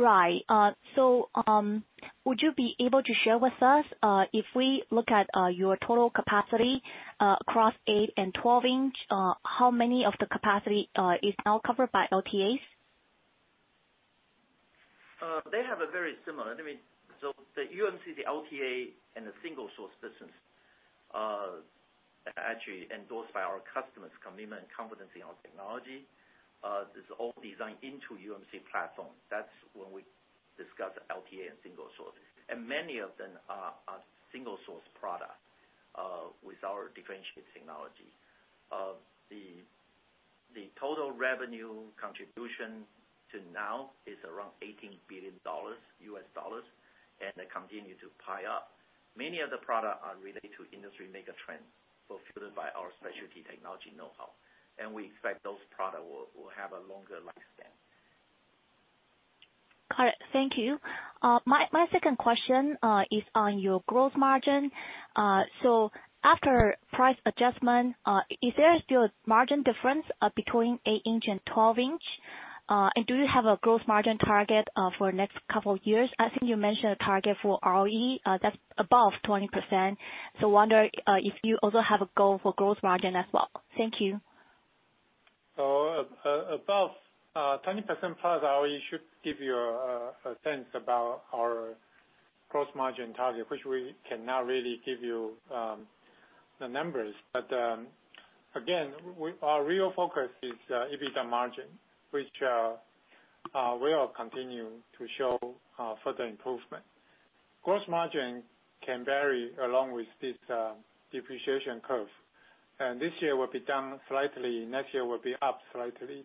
[SPEAKER 4] nm. Yeah.
[SPEAKER 10] Would you be able to share with us, if we look at your total capacity across eight- and 12-inch, how many of the capacity is now covered by LTAs?
[SPEAKER 4] The UMC, the LTA, and the single source business are actually endorsed by our customers' commitment and confidence in our technology. This is all designed into UMC platform. That's when we discuss LTA and single source. Many of them are single source product with our differentiated technology. The total revenue contribution up to now is around $18 billion, and they continue to pile up. Many of the products are related to industry megatrends, fulfilled by our specialty technology know-how. We expect those product will have a longer lifespan.
[SPEAKER 10] Got it. Thank you. My second question is on your gross margin. So after price adjustment, is there still a margin difference between 8-inch and 12-inch? And do you have a gross margin target for next couple years? I think you mentioned a target for ROE that's above 20%, so I wonder if you also have a goal for gross margin as well. Thank you.
[SPEAKER 3] About 20%+ ROE should give you a sense about our gross margin target, which we cannot really give you the numbers. Our real focus is EBITDA margin, which will continue to show further improvement. Gross margin can vary along with this depreciation curve. This year will be down slightly, next year will be up slightly.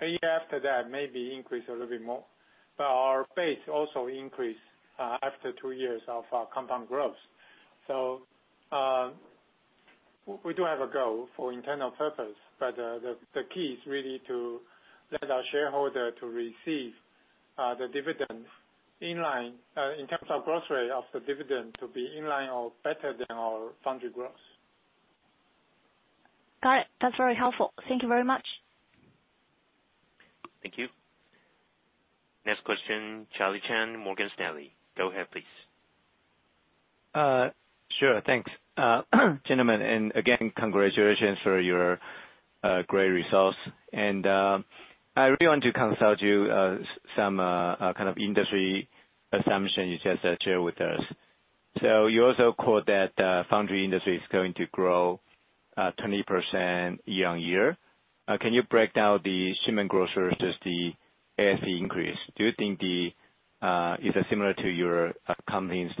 [SPEAKER 3] A year after that, maybe increase a little bit more. Our base also increase after two years of compound growth. We do have a goal for internal purpose, but the key is really to let our shareholder receive the dividends in line in terms of growth rate of the dividend to be in line or better than our foundry growth.
[SPEAKER 10] Got it. That's very helpful. Thank you very much.
[SPEAKER 1] Thank you. Next question, Charlie Chan, Morgan Stanley. Go ahead, please.
[SPEAKER 11] Sure. Thanks. Gentlemen, and again, congratulations for your great results. I really want to consult you some kind of industry assumptions you just shared with us. You also quote that foundry industry is going to grow 20% year-on-year. Can you break down the shipment growth versus the ASP increase? Do you think, is it similar to your company's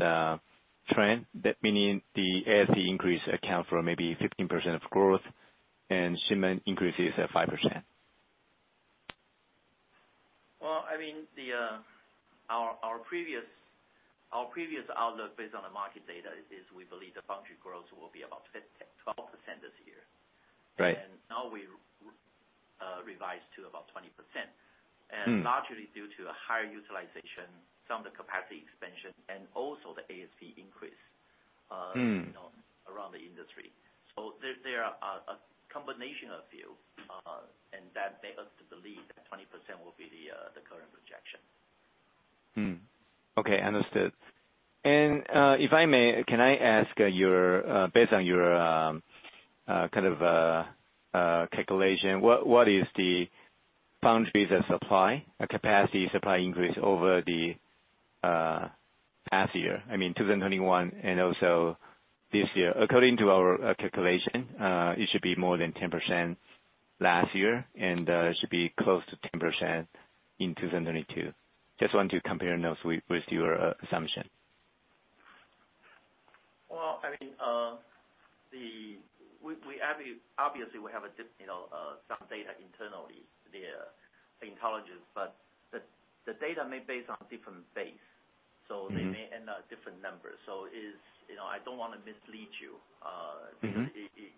[SPEAKER 11] trend, that meaning the ASP increase account for maybe 15% of growth and shipment increase is at 5%?
[SPEAKER 4] Well, I mean, our previous outlook based on the market data is we believe the foundry growth will be about 12% this year.
[SPEAKER 11] Right.
[SPEAKER 4] Now we revised to about 20%.
[SPEAKER 11] Mm.
[SPEAKER 4] Largely due to a higher utilization, some of the capacity expansion and also the ASP increase.
[SPEAKER 11] Mm.
[SPEAKER 4] You know, around the industry. There are a combination of few, and that make us to believe that 20% will be the current projection.
[SPEAKER 11] Okay. Understood. If I may, can I ask, based on your kind of calculation, what is the foundries that supply capacity supply increase over the past year, I mean, 2021 and also this year? According to our calculation, it should be more than 10% last year, and it should be close to 10% in 2022. Just want to compare those with your assumption.
[SPEAKER 4] Well, I mean, we obviously have, you know, some data internally via intelligence, but the data may be based on different bases.
[SPEAKER 11] Mm-hmm.
[SPEAKER 4] They may end up with different numbers. You know, I don't wanna mislead you.
[SPEAKER 11] Mm-hmm.
[SPEAKER 4] Because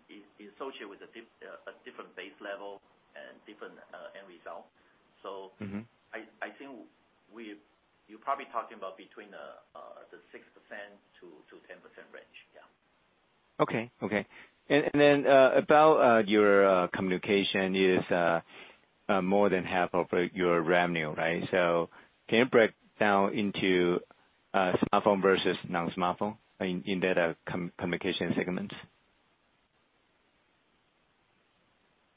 [SPEAKER 4] it associates with a different base level and different end result.
[SPEAKER 11] Mm-hmm.
[SPEAKER 4] I think you're probably talking about between the 6%-10% range. Yeah.
[SPEAKER 11] About your communications is more than half of your revenue, right? Can you break down into smartphone versus non-smartphone in that communications segment?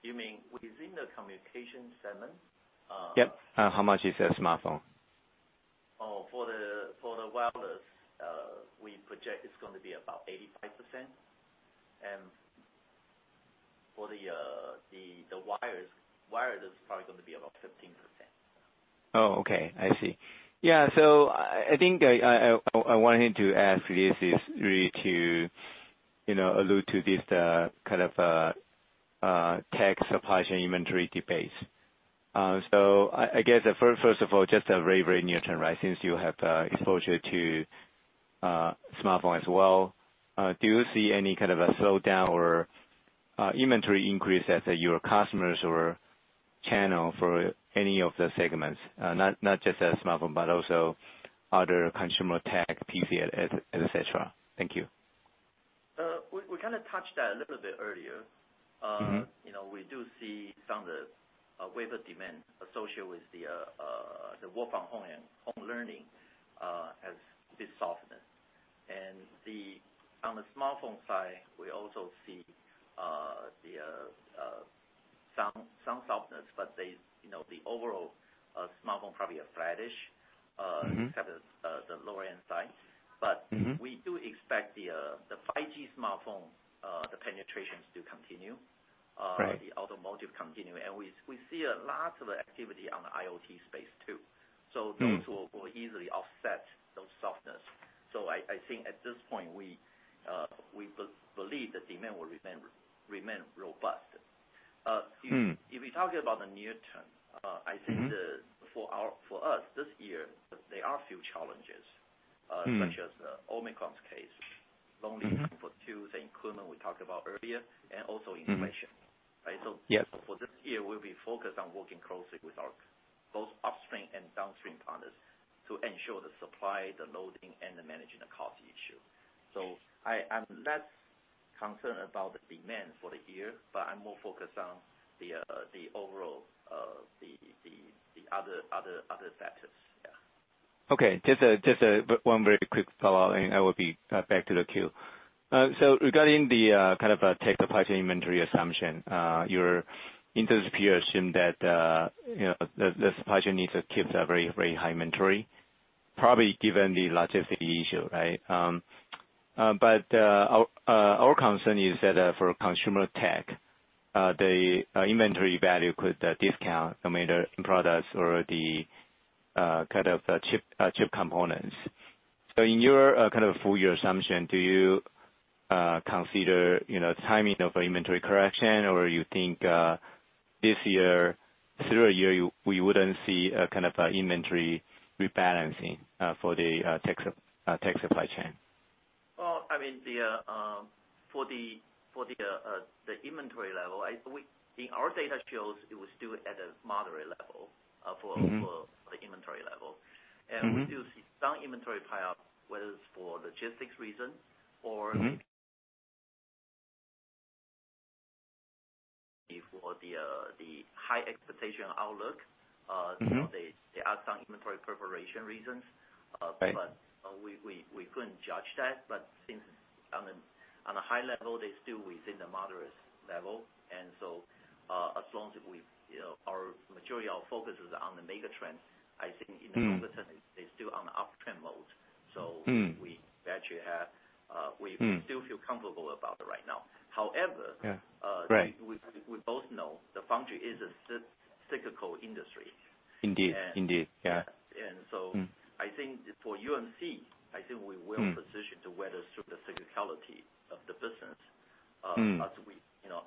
[SPEAKER 4] You mean within the communication segment?
[SPEAKER 11] Yep. How much is smartphone?
[SPEAKER 4] Oh, for the wireless, we project it's going to be about 85%. For the wired, it's probably gonna be about 15%.
[SPEAKER 11] Oh, okay. I see. Yeah. I think I wanted to ask, this is really to, you know, allude to this kind of tech supply chain inventory debates. I guess the first of all, just a very near term, right, since you have exposure to smartphone as well, do you see any kind of a slowdown or inventory increase at your customers or channel for any of the segments, not just smartphone but also other consumer tech, PC, et cetera? Thank you.
[SPEAKER 4] We kind of touched that a little bit earlier.
[SPEAKER 11] Mm-hmm.
[SPEAKER 4] you know, we do see some of the wave of demand associated with the work from home and home learning has been softness. On the smartphone side, we also see some softness, but they, you know, the overall smartphone probably are flattish
[SPEAKER 11] Mm-hmm.
[SPEAKER 4] except the lower-end side.
[SPEAKER 11] Mm-hmm.
[SPEAKER 4] We do expect the 5G smartphone penetrations to continue.
[SPEAKER 11] Right.
[SPEAKER 4] The automotive continue. We see a lot of activity on the IoT space, too.
[SPEAKER 11] Mm-hmm.
[SPEAKER 4] Those will easily offset those softness. I think at this point, we believe that demand will remain robust.
[SPEAKER 11] Mm.
[SPEAKER 4] If we talk about the near term, I think the
[SPEAKER 11] Mm-hmm.
[SPEAKER 4] For us this year, there are a few challenges.
[SPEAKER 11] Mm.
[SPEAKER 4] such as Omicron's case.
[SPEAKER 11] Mm-hmm.
[SPEAKER 4] for tools and equipment we talked about earlier, and also inflation.
[SPEAKER 11] Mm-hmm.
[SPEAKER 4] Right?
[SPEAKER 11] Yes.
[SPEAKER 4] For this year, we'll be focused on working closely with our both upstream and downstream partners to ensure the supply, the loading, and managing the cost issue. I am less concerned about the demand for the year, but I'm more focused on the overall, the other factors. Yeah.
[SPEAKER 11] Okay. Just one very quick follow-up and I will be back to the queue. So regarding the kind of a tech supply chain inventory assumption, your industry peers assume that, you know, the supply chain needs to keep a very, very high inventory, probably given the logistics issue, right? But our concern is that, for consumer tech, the inventory value could discount no matter end products or the kind of chip components. So in your kind of full year assumption, do you consider, you know, timing of inventory correction? Or you think this year, through a year, we wouldn't see a kind of a inventory rebalancing for the tech supply chain?
[SPEAKER 4] Well, I mean, for the inventory level, in our data shows it was still at a moderate level, for-
[SPEAKER 11] Mm-hmm.
[SPEAKER 4] for the inventory level.
[SPEAKER 11] Mm-hmm.
[SPEAKER 4] We do see some inventory pile up, whether it's for logistics reason or.
[SPEAKER 11] Mm-hmm.
[SPEAKER 4] For the high expectation outlook.
[SPEAKER 11] Mm-hmm.
[SPEAKER 4] You know, there are some inventory preparation reasons.
[SPEAKER 11] Right.
[SPEAKER 4] We couldn't judge that. Since on a high level, they're still within the moderate level. As long as we, you know, our material focus is on the megatrend, I think in the-
[SPEAKER 11] Mm.
[SPEAKER 4] Near term they're still on the uptrend mode. So
[SPEAKER 11] Mm.
[SPEAKER 4] We actually have, we
[SPEAKER 11] Mm.
[SPEAKER 4] still feel comfortable about it right now. However
[SPEAKER 11] Yeah. Right.
[SPEAKER 4] We both know the foundry is a cyclical industry.
[SPEAKER 11] Indeed.
[SPEAKER 4] And-
[SPEAKER 11] Indeed. Yeah.
[SPEAKER 4] And so-
[SPEAKER 11] Mm.
[SPEAKER 4] I think for UMC, we
[SPEAKER 11] Mm.
[SPEAKER 4] Well positioned to weather through the cyclicality of the business.
[SPEAKER 11] Mm.
[SPEAKER 4] you know,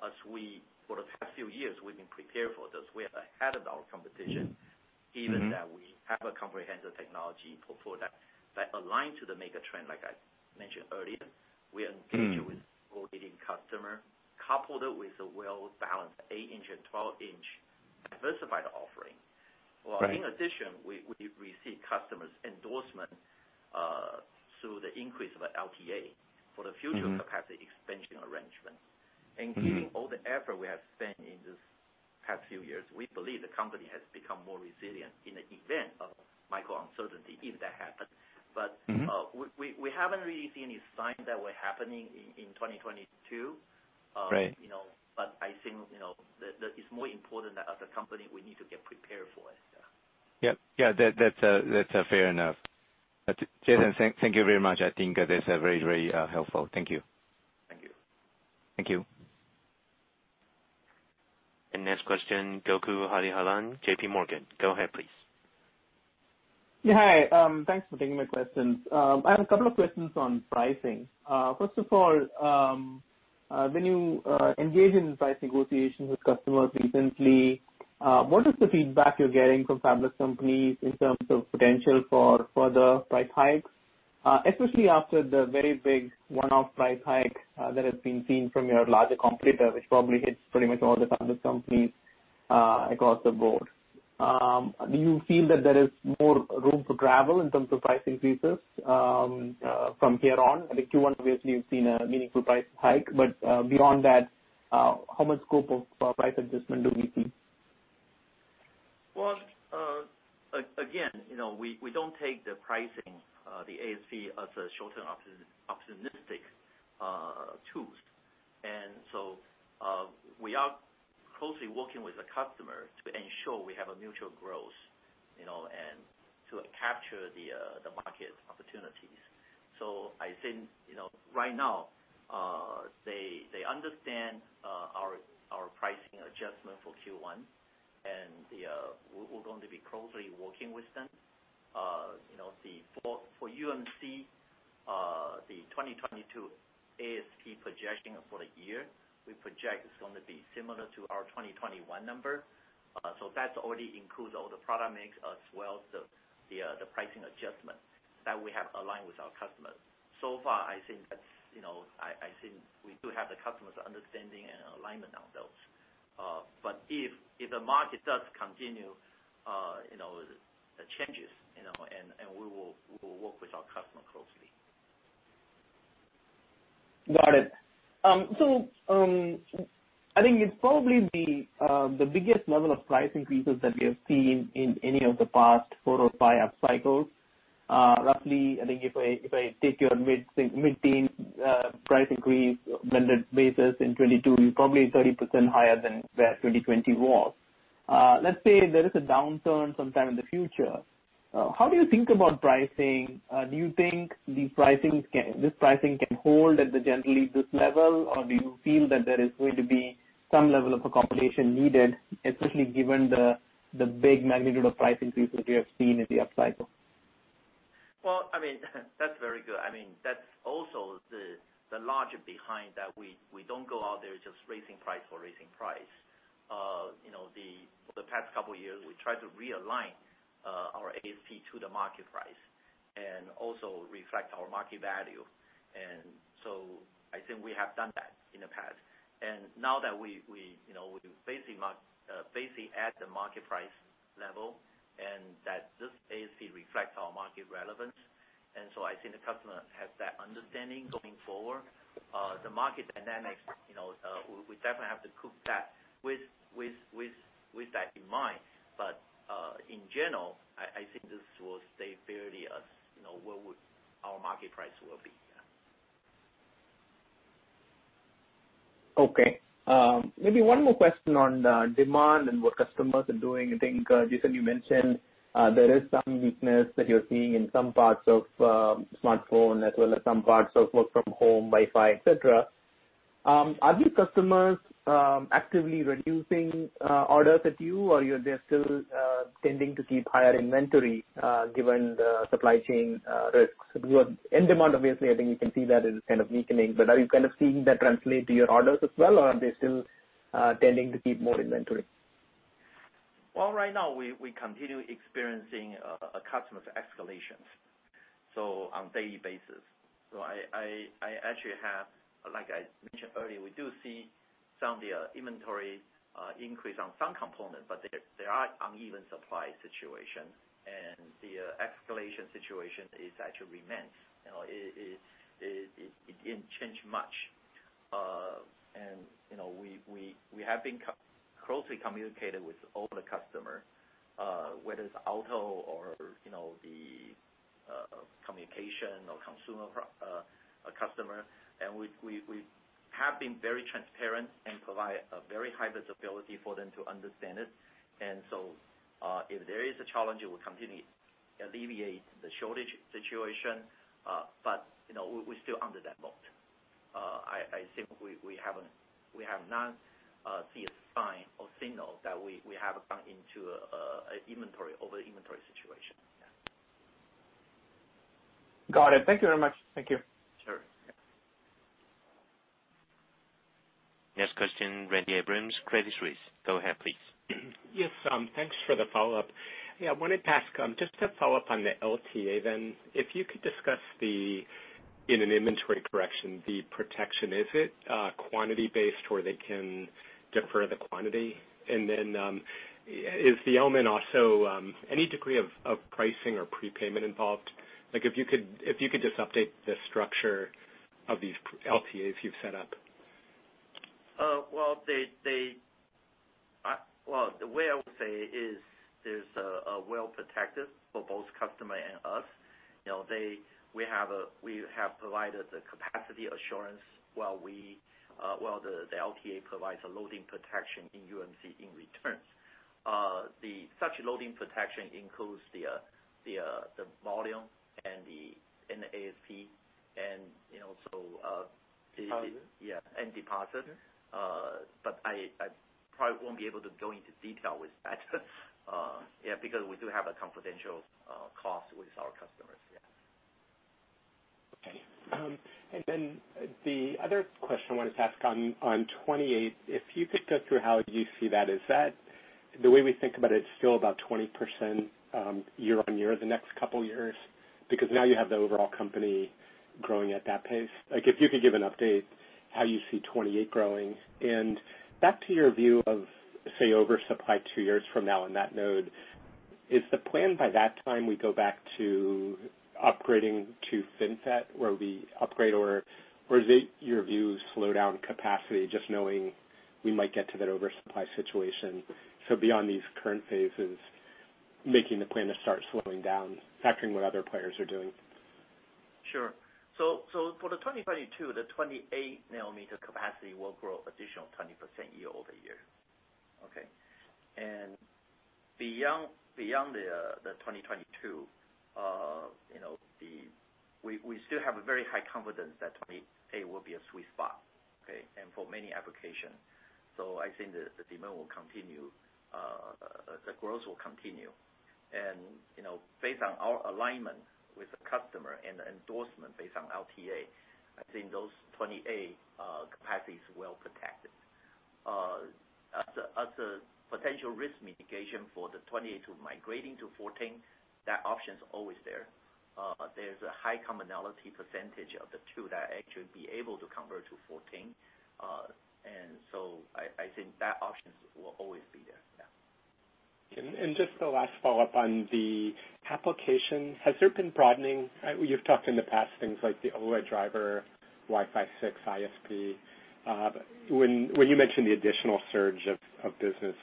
[SPEAKER 4] for the past few years, we've been prepared for this. We are ahead of our competition.
[SPEAKER 11] Mm-hmm.
[SPEAKER 4] Even though we have a comprehensive technology portfolio that aligns to the megatrend, like I mentioned earlier. We engage-
[SPEAKER 11] Mm.
[SPEAKER 4] with world-leading customers, coupled with a well-balanced 8-inch and 12-inch diversified offering.
[SPEAKER 11] Right.
[SPEAKER 4] Well, in addition, we receive customers' endorsement through the increase of LTA for the future-
[SPEAKER 11] Mm-hmm.
[SPEAKER 4] Capacity expansion arrangement.
[SPEAKER 11] Mm-hmm.
[SPEAKER 4] Including all the effort we have spent in this past few years, we believe the company has become more resilient in the event of macro uncertainty, if that happens.
[SPEAKER 11] Mm-hmm.
[SPEAKER 4] We haven't really seen any signs that were happening in 2022.
[SPEAKER 11] Right.
[SPEAKER 4] You know, I think, you know, it's more important that as a company, we need to get prepared for it. Yeah.
[SPEAKER 11] Yeah. That's fair enough. Jason, thank you very much. I think that's very helpful. Thank you.
[SPEAKER 4] Thank you.
[SPEAKER 11] Thank you.
[SPEAKER 1] Next question, Gokul Hariharan, JPMorgan. Go ahead, please.
[SPEAKER 12] Yeah. Hi, thanks for taking my questions. I have a couple of questions on pricing. First of all, when you engage in price negotiations with customers recently, what is the feedback you're getting from fabless companies in terms of potential for further price hikes? Especially after the very big one-off price hike that has been seen from your larger competitor, which probably hits pretty much all the fabless companies across the board. Do you feel that there is more room to travel in terms of price increases from here on? I think Q1 obviously you've seen a meaningful price hike, but beyond that, how much scope of price adjustment do we see?
[SPEAKER 4] Again, you know, we don't take the pricing, the ASP as a short-term optimistic tool. We are closely working with the customers to ensure we have a mutual growth, you know, and to capture the market opportunities. I think, you know, right now, they understand our pricing adjustment for Q1 and we're going to be closely working with them. You know, for UMC, the 2022 ASP projection for the year, we project it's gonna be similar to our 2021 number. So that already includes all the product mix as well as the pricing adjustment that we have aligned with our customers. So far, I think that's, you know, I think we do have the customers' understanding and alignment on those. If the market does continue, you know, the changes, you know, and we will work with our customer closely.
[SPEAKER 12] Got it. I think it's probably the biggest level of price increases that we have seen in any of the past four or five up cycles. Roughly, I think if I take your mid-teen price increase blended basis in 2022, you're probably 30% higher than where 2020 was. Let's say there is a downturn sometime in the future, how do you think about pricing? Do you think this pricing can hold at generally this level? Or do you feel that there is going to be some level of accommodation needed, especially given the big magnitude of price increases we have seen in the up cycle?
[SPEAKER 4] Well, I mean that's very good. I mean, that's also the logic behind that. We don't go out there just raising price for raising price. You know, the past couple years, we tried to realign our ASP to the market price and also reflect our market value. I think we have done that in the past. Now that we, you know, we're basically at the market price level and that this basically reflects our market relevance. I think the customer has that understanding going forward. The market dynamics, you know, we definitely have to cook that with that in mind. In general, I think this will stay fairly as, you know, where our market price will be. Yeah.
[SPEAKER 12] Okay. Maybe one more question on demand and what customers are doing. I think, Jason, you mentioned there is some weakness that you're seeing in some parts of smartphone as well as some parts of work from home, Wi-Fi, et cetera. Are these customers actively reducing orders with you, or they're still tending to keep higher inventory given the supply chain risks? Because end demand obviously I think you can see that is kind of weakening. But are you kind of seeing that translate to your orders as well, or are they still tending to keep more inventory?
[SPEAKER 4] Well, right now, we continue experiencing a customer's escalations on a daily basis. I actually have, like I mentioned earlier, we do see some of the inventory increase on some components, but there are uneven supply situation. The escalation situation is actually immense. You know, it didn't change much. You know, we have been closely communicated with all the customer, whether it's auto or, you know, the communication or consumer customer. We have been very transparent and provide a very high visibility for them to understand it. If there is a challenge, we will continue alleviate the shortage situation. You know, we still under that mode. I think we haven't... We have not seen a sign or signal that we have gone into an inventory over-inventory situation. Yeah.
[SPEAKER 12] Got it. Thank you very much. Thank you.
[SPEAKER 4] Sure. Yeah.
[SPEAKER 1] Next question, Randy Abrams, Credit Suisse. Go ahead, please.
[SPEAKER 5] Yes, thanks for the follow-up. Yeah, I wanted to ask, just to follow up on the LTA then. If you could discuss the, in an inventory correction, the protection. Is it, quantity based where they can defer the quantity? And then, is the element also, any degree of pricing or prepayment involved? Like if you could just update the structure of these LTA's you've set up.
[SPEAKER 4] Well, the way I would say is there's a well protected for both customer and us. You know, we have provided the capacity assurance while the LTA provides a loading protection in UMC in returns. The such loading protection includes the volume and the ASP and, you know, so-
[SPEAKER 5] Deposit.
[SPEAKER 4] Yeah, deposit.
[SPEAKER 5] Okay.
[SPEAKER 4] I probably won't be able to go into detail with that. Yeah, because we do have a confidential cost with our customers. Yeah.
[SPEAKER 5] Okay. The other question I wanted to ask on 28, if you could go through how you see that. Is that the way we think about it is still about 20% year-on-year the next couple years, because now you have the overall company growing at that pace. Like if you could give an update how you see 28 growing. Back to your view of, say, oversupply two years from now in that node, is the plan by that time we go back to upgrading to FinFET, where we upgrade? Or is it your view is slow down capacity just knowing we might get to that oversupply situation, so beyond these current phases, making the plan to start slowing down, factoring what other players are doing?
[SPEAKER 4] Sure. For 2022, the 28 nm capacity will grow additional 20% year-over-year. Beyond 2022, you know, we still have a very high confidence that 28 nm will be a sweet spot. For many applications. I think the demand will continue, the growth will continue. You know, based on our alignment with the customer and the endorsement based on LTA, I think those 28 nm capacity is well protected. As a potential risk mitigation for the 28 nm to migrating to 14 nm, that option's always there. There's a high commonality percentage of the two that actually be able to convert to 14 nm, and so I think that option will always be there, yeah.
[SPEAKER 5] Just the last follow-up on the application, has there been broadening? You've talked in the past, things like the OLED driver, Wi-Fi 6, ISP. But when you mentioned the additional surge of business,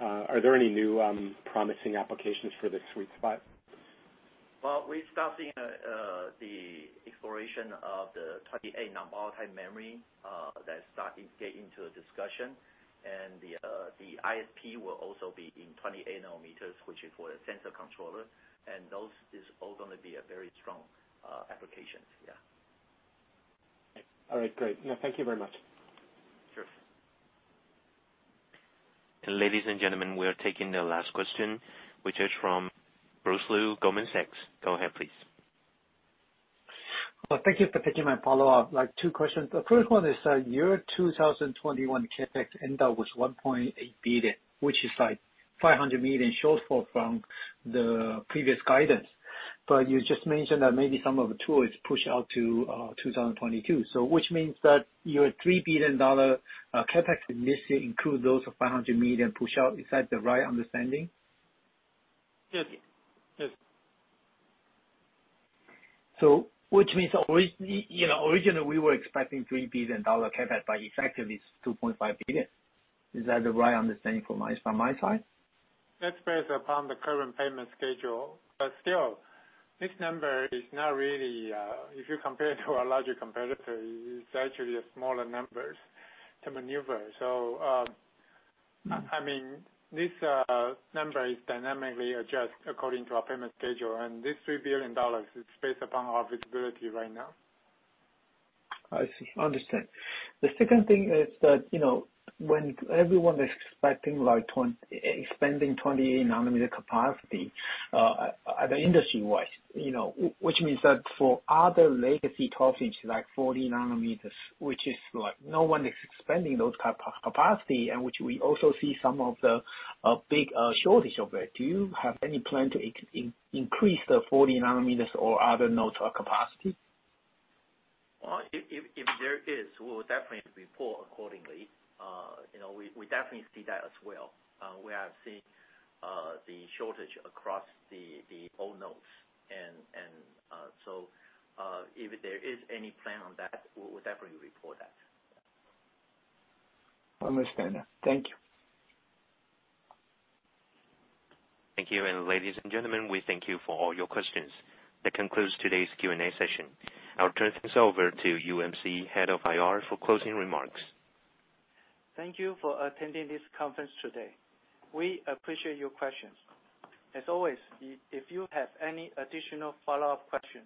[SPEAKER 5] are there any new promising applications for the sweet spot?
[SPEAKER 4] Well, we start seeing the exploration of the 28 nm non-volatile memory that start get into a discussion. The ISP will also be in 28 nm, which is for the sensor controller. Those is all gonna be a very strong applications. Yeah.
[SPEAKER 5] All right. Great. No, thank you very much.
[SPEAKER 4] Sure.
[SPEAKER 1] Ladies and gentlemen, we are taking the last question, which is from Bruce Lu, Goldman Sachs. Go ahead, please.
[SPEAKER 7] Well, thank you for taking my follow-up. Like two questions. The first one is, your 2021 CapEx end up with $1.8 billion, which is like $500 million shortfall from the previous guidance. You just mentioned that maybe some of the tools push out to 2022. Which means that your $3 billion CapEx initially include those $500 million push out. Is that the right understanding?
[SPEAKER 4] Yes. Yes.
[SPEAKER 7] Which means originally, you know, we were expecting $3 billion CapEx, but effectively it's $2.5 billion. Is that the right understanding from my side?
[SPEAKER 4] That's based upon the current payment schedule. Still, this number is not really, if you compare it to our larger competitor, it's actually a smaller numbers to maneuver. I mean, this number is dynamically adjusted according to our payment schedule, and this $3 billion is based upon our visibility right now.
[SPEAKER 7] I see. I understand. The second thing is that, you know, when everyone is expecting like expanding 28-nm capacity, other industry-wise, you know, which means that for other legacy topics like 40 nm, which is like no one is expanding those capacity, and which we also see some of the big shortage of it, do you have any plan to increase the 40 nm or other node capacity?
[SPEAKER 4] Well, if there is, we'll definitely report accordingly. You know, we definitely see that as well. We have seen the shortage across the whole nodes. If there is any plan on that, we'll definitely report that.
[SPEAKER 7] Understand. Thank you.
[SPEAKER 1] Thank you. Ladies and gentlemen, we thank you for all your questions. That concludes today's Q&A session. I'll turn things over to UMC head of IR for closing remarks.
[SPEAKER 2] Thank you for attending this conference today. We appreciate your questions. As always, if you have any additional follow-up questions,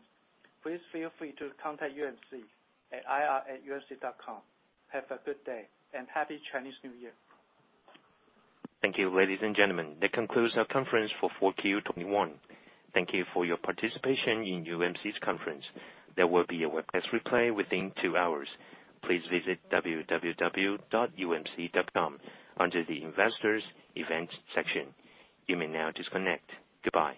[SPEAKER 2] please feel free to contact UMC at ir@umc.com. Have a good day, and Happy Chinese New Year.
[SPEAKER 1] Thank you, ladies and gentlemen. That concludes our conference for 4Q 2021. Thank you for your participation in UMC's conference. There will be a webcast replay within two hours. Please visit www.umc.com under the Investors Events section. You may now disconnect. Goodbye.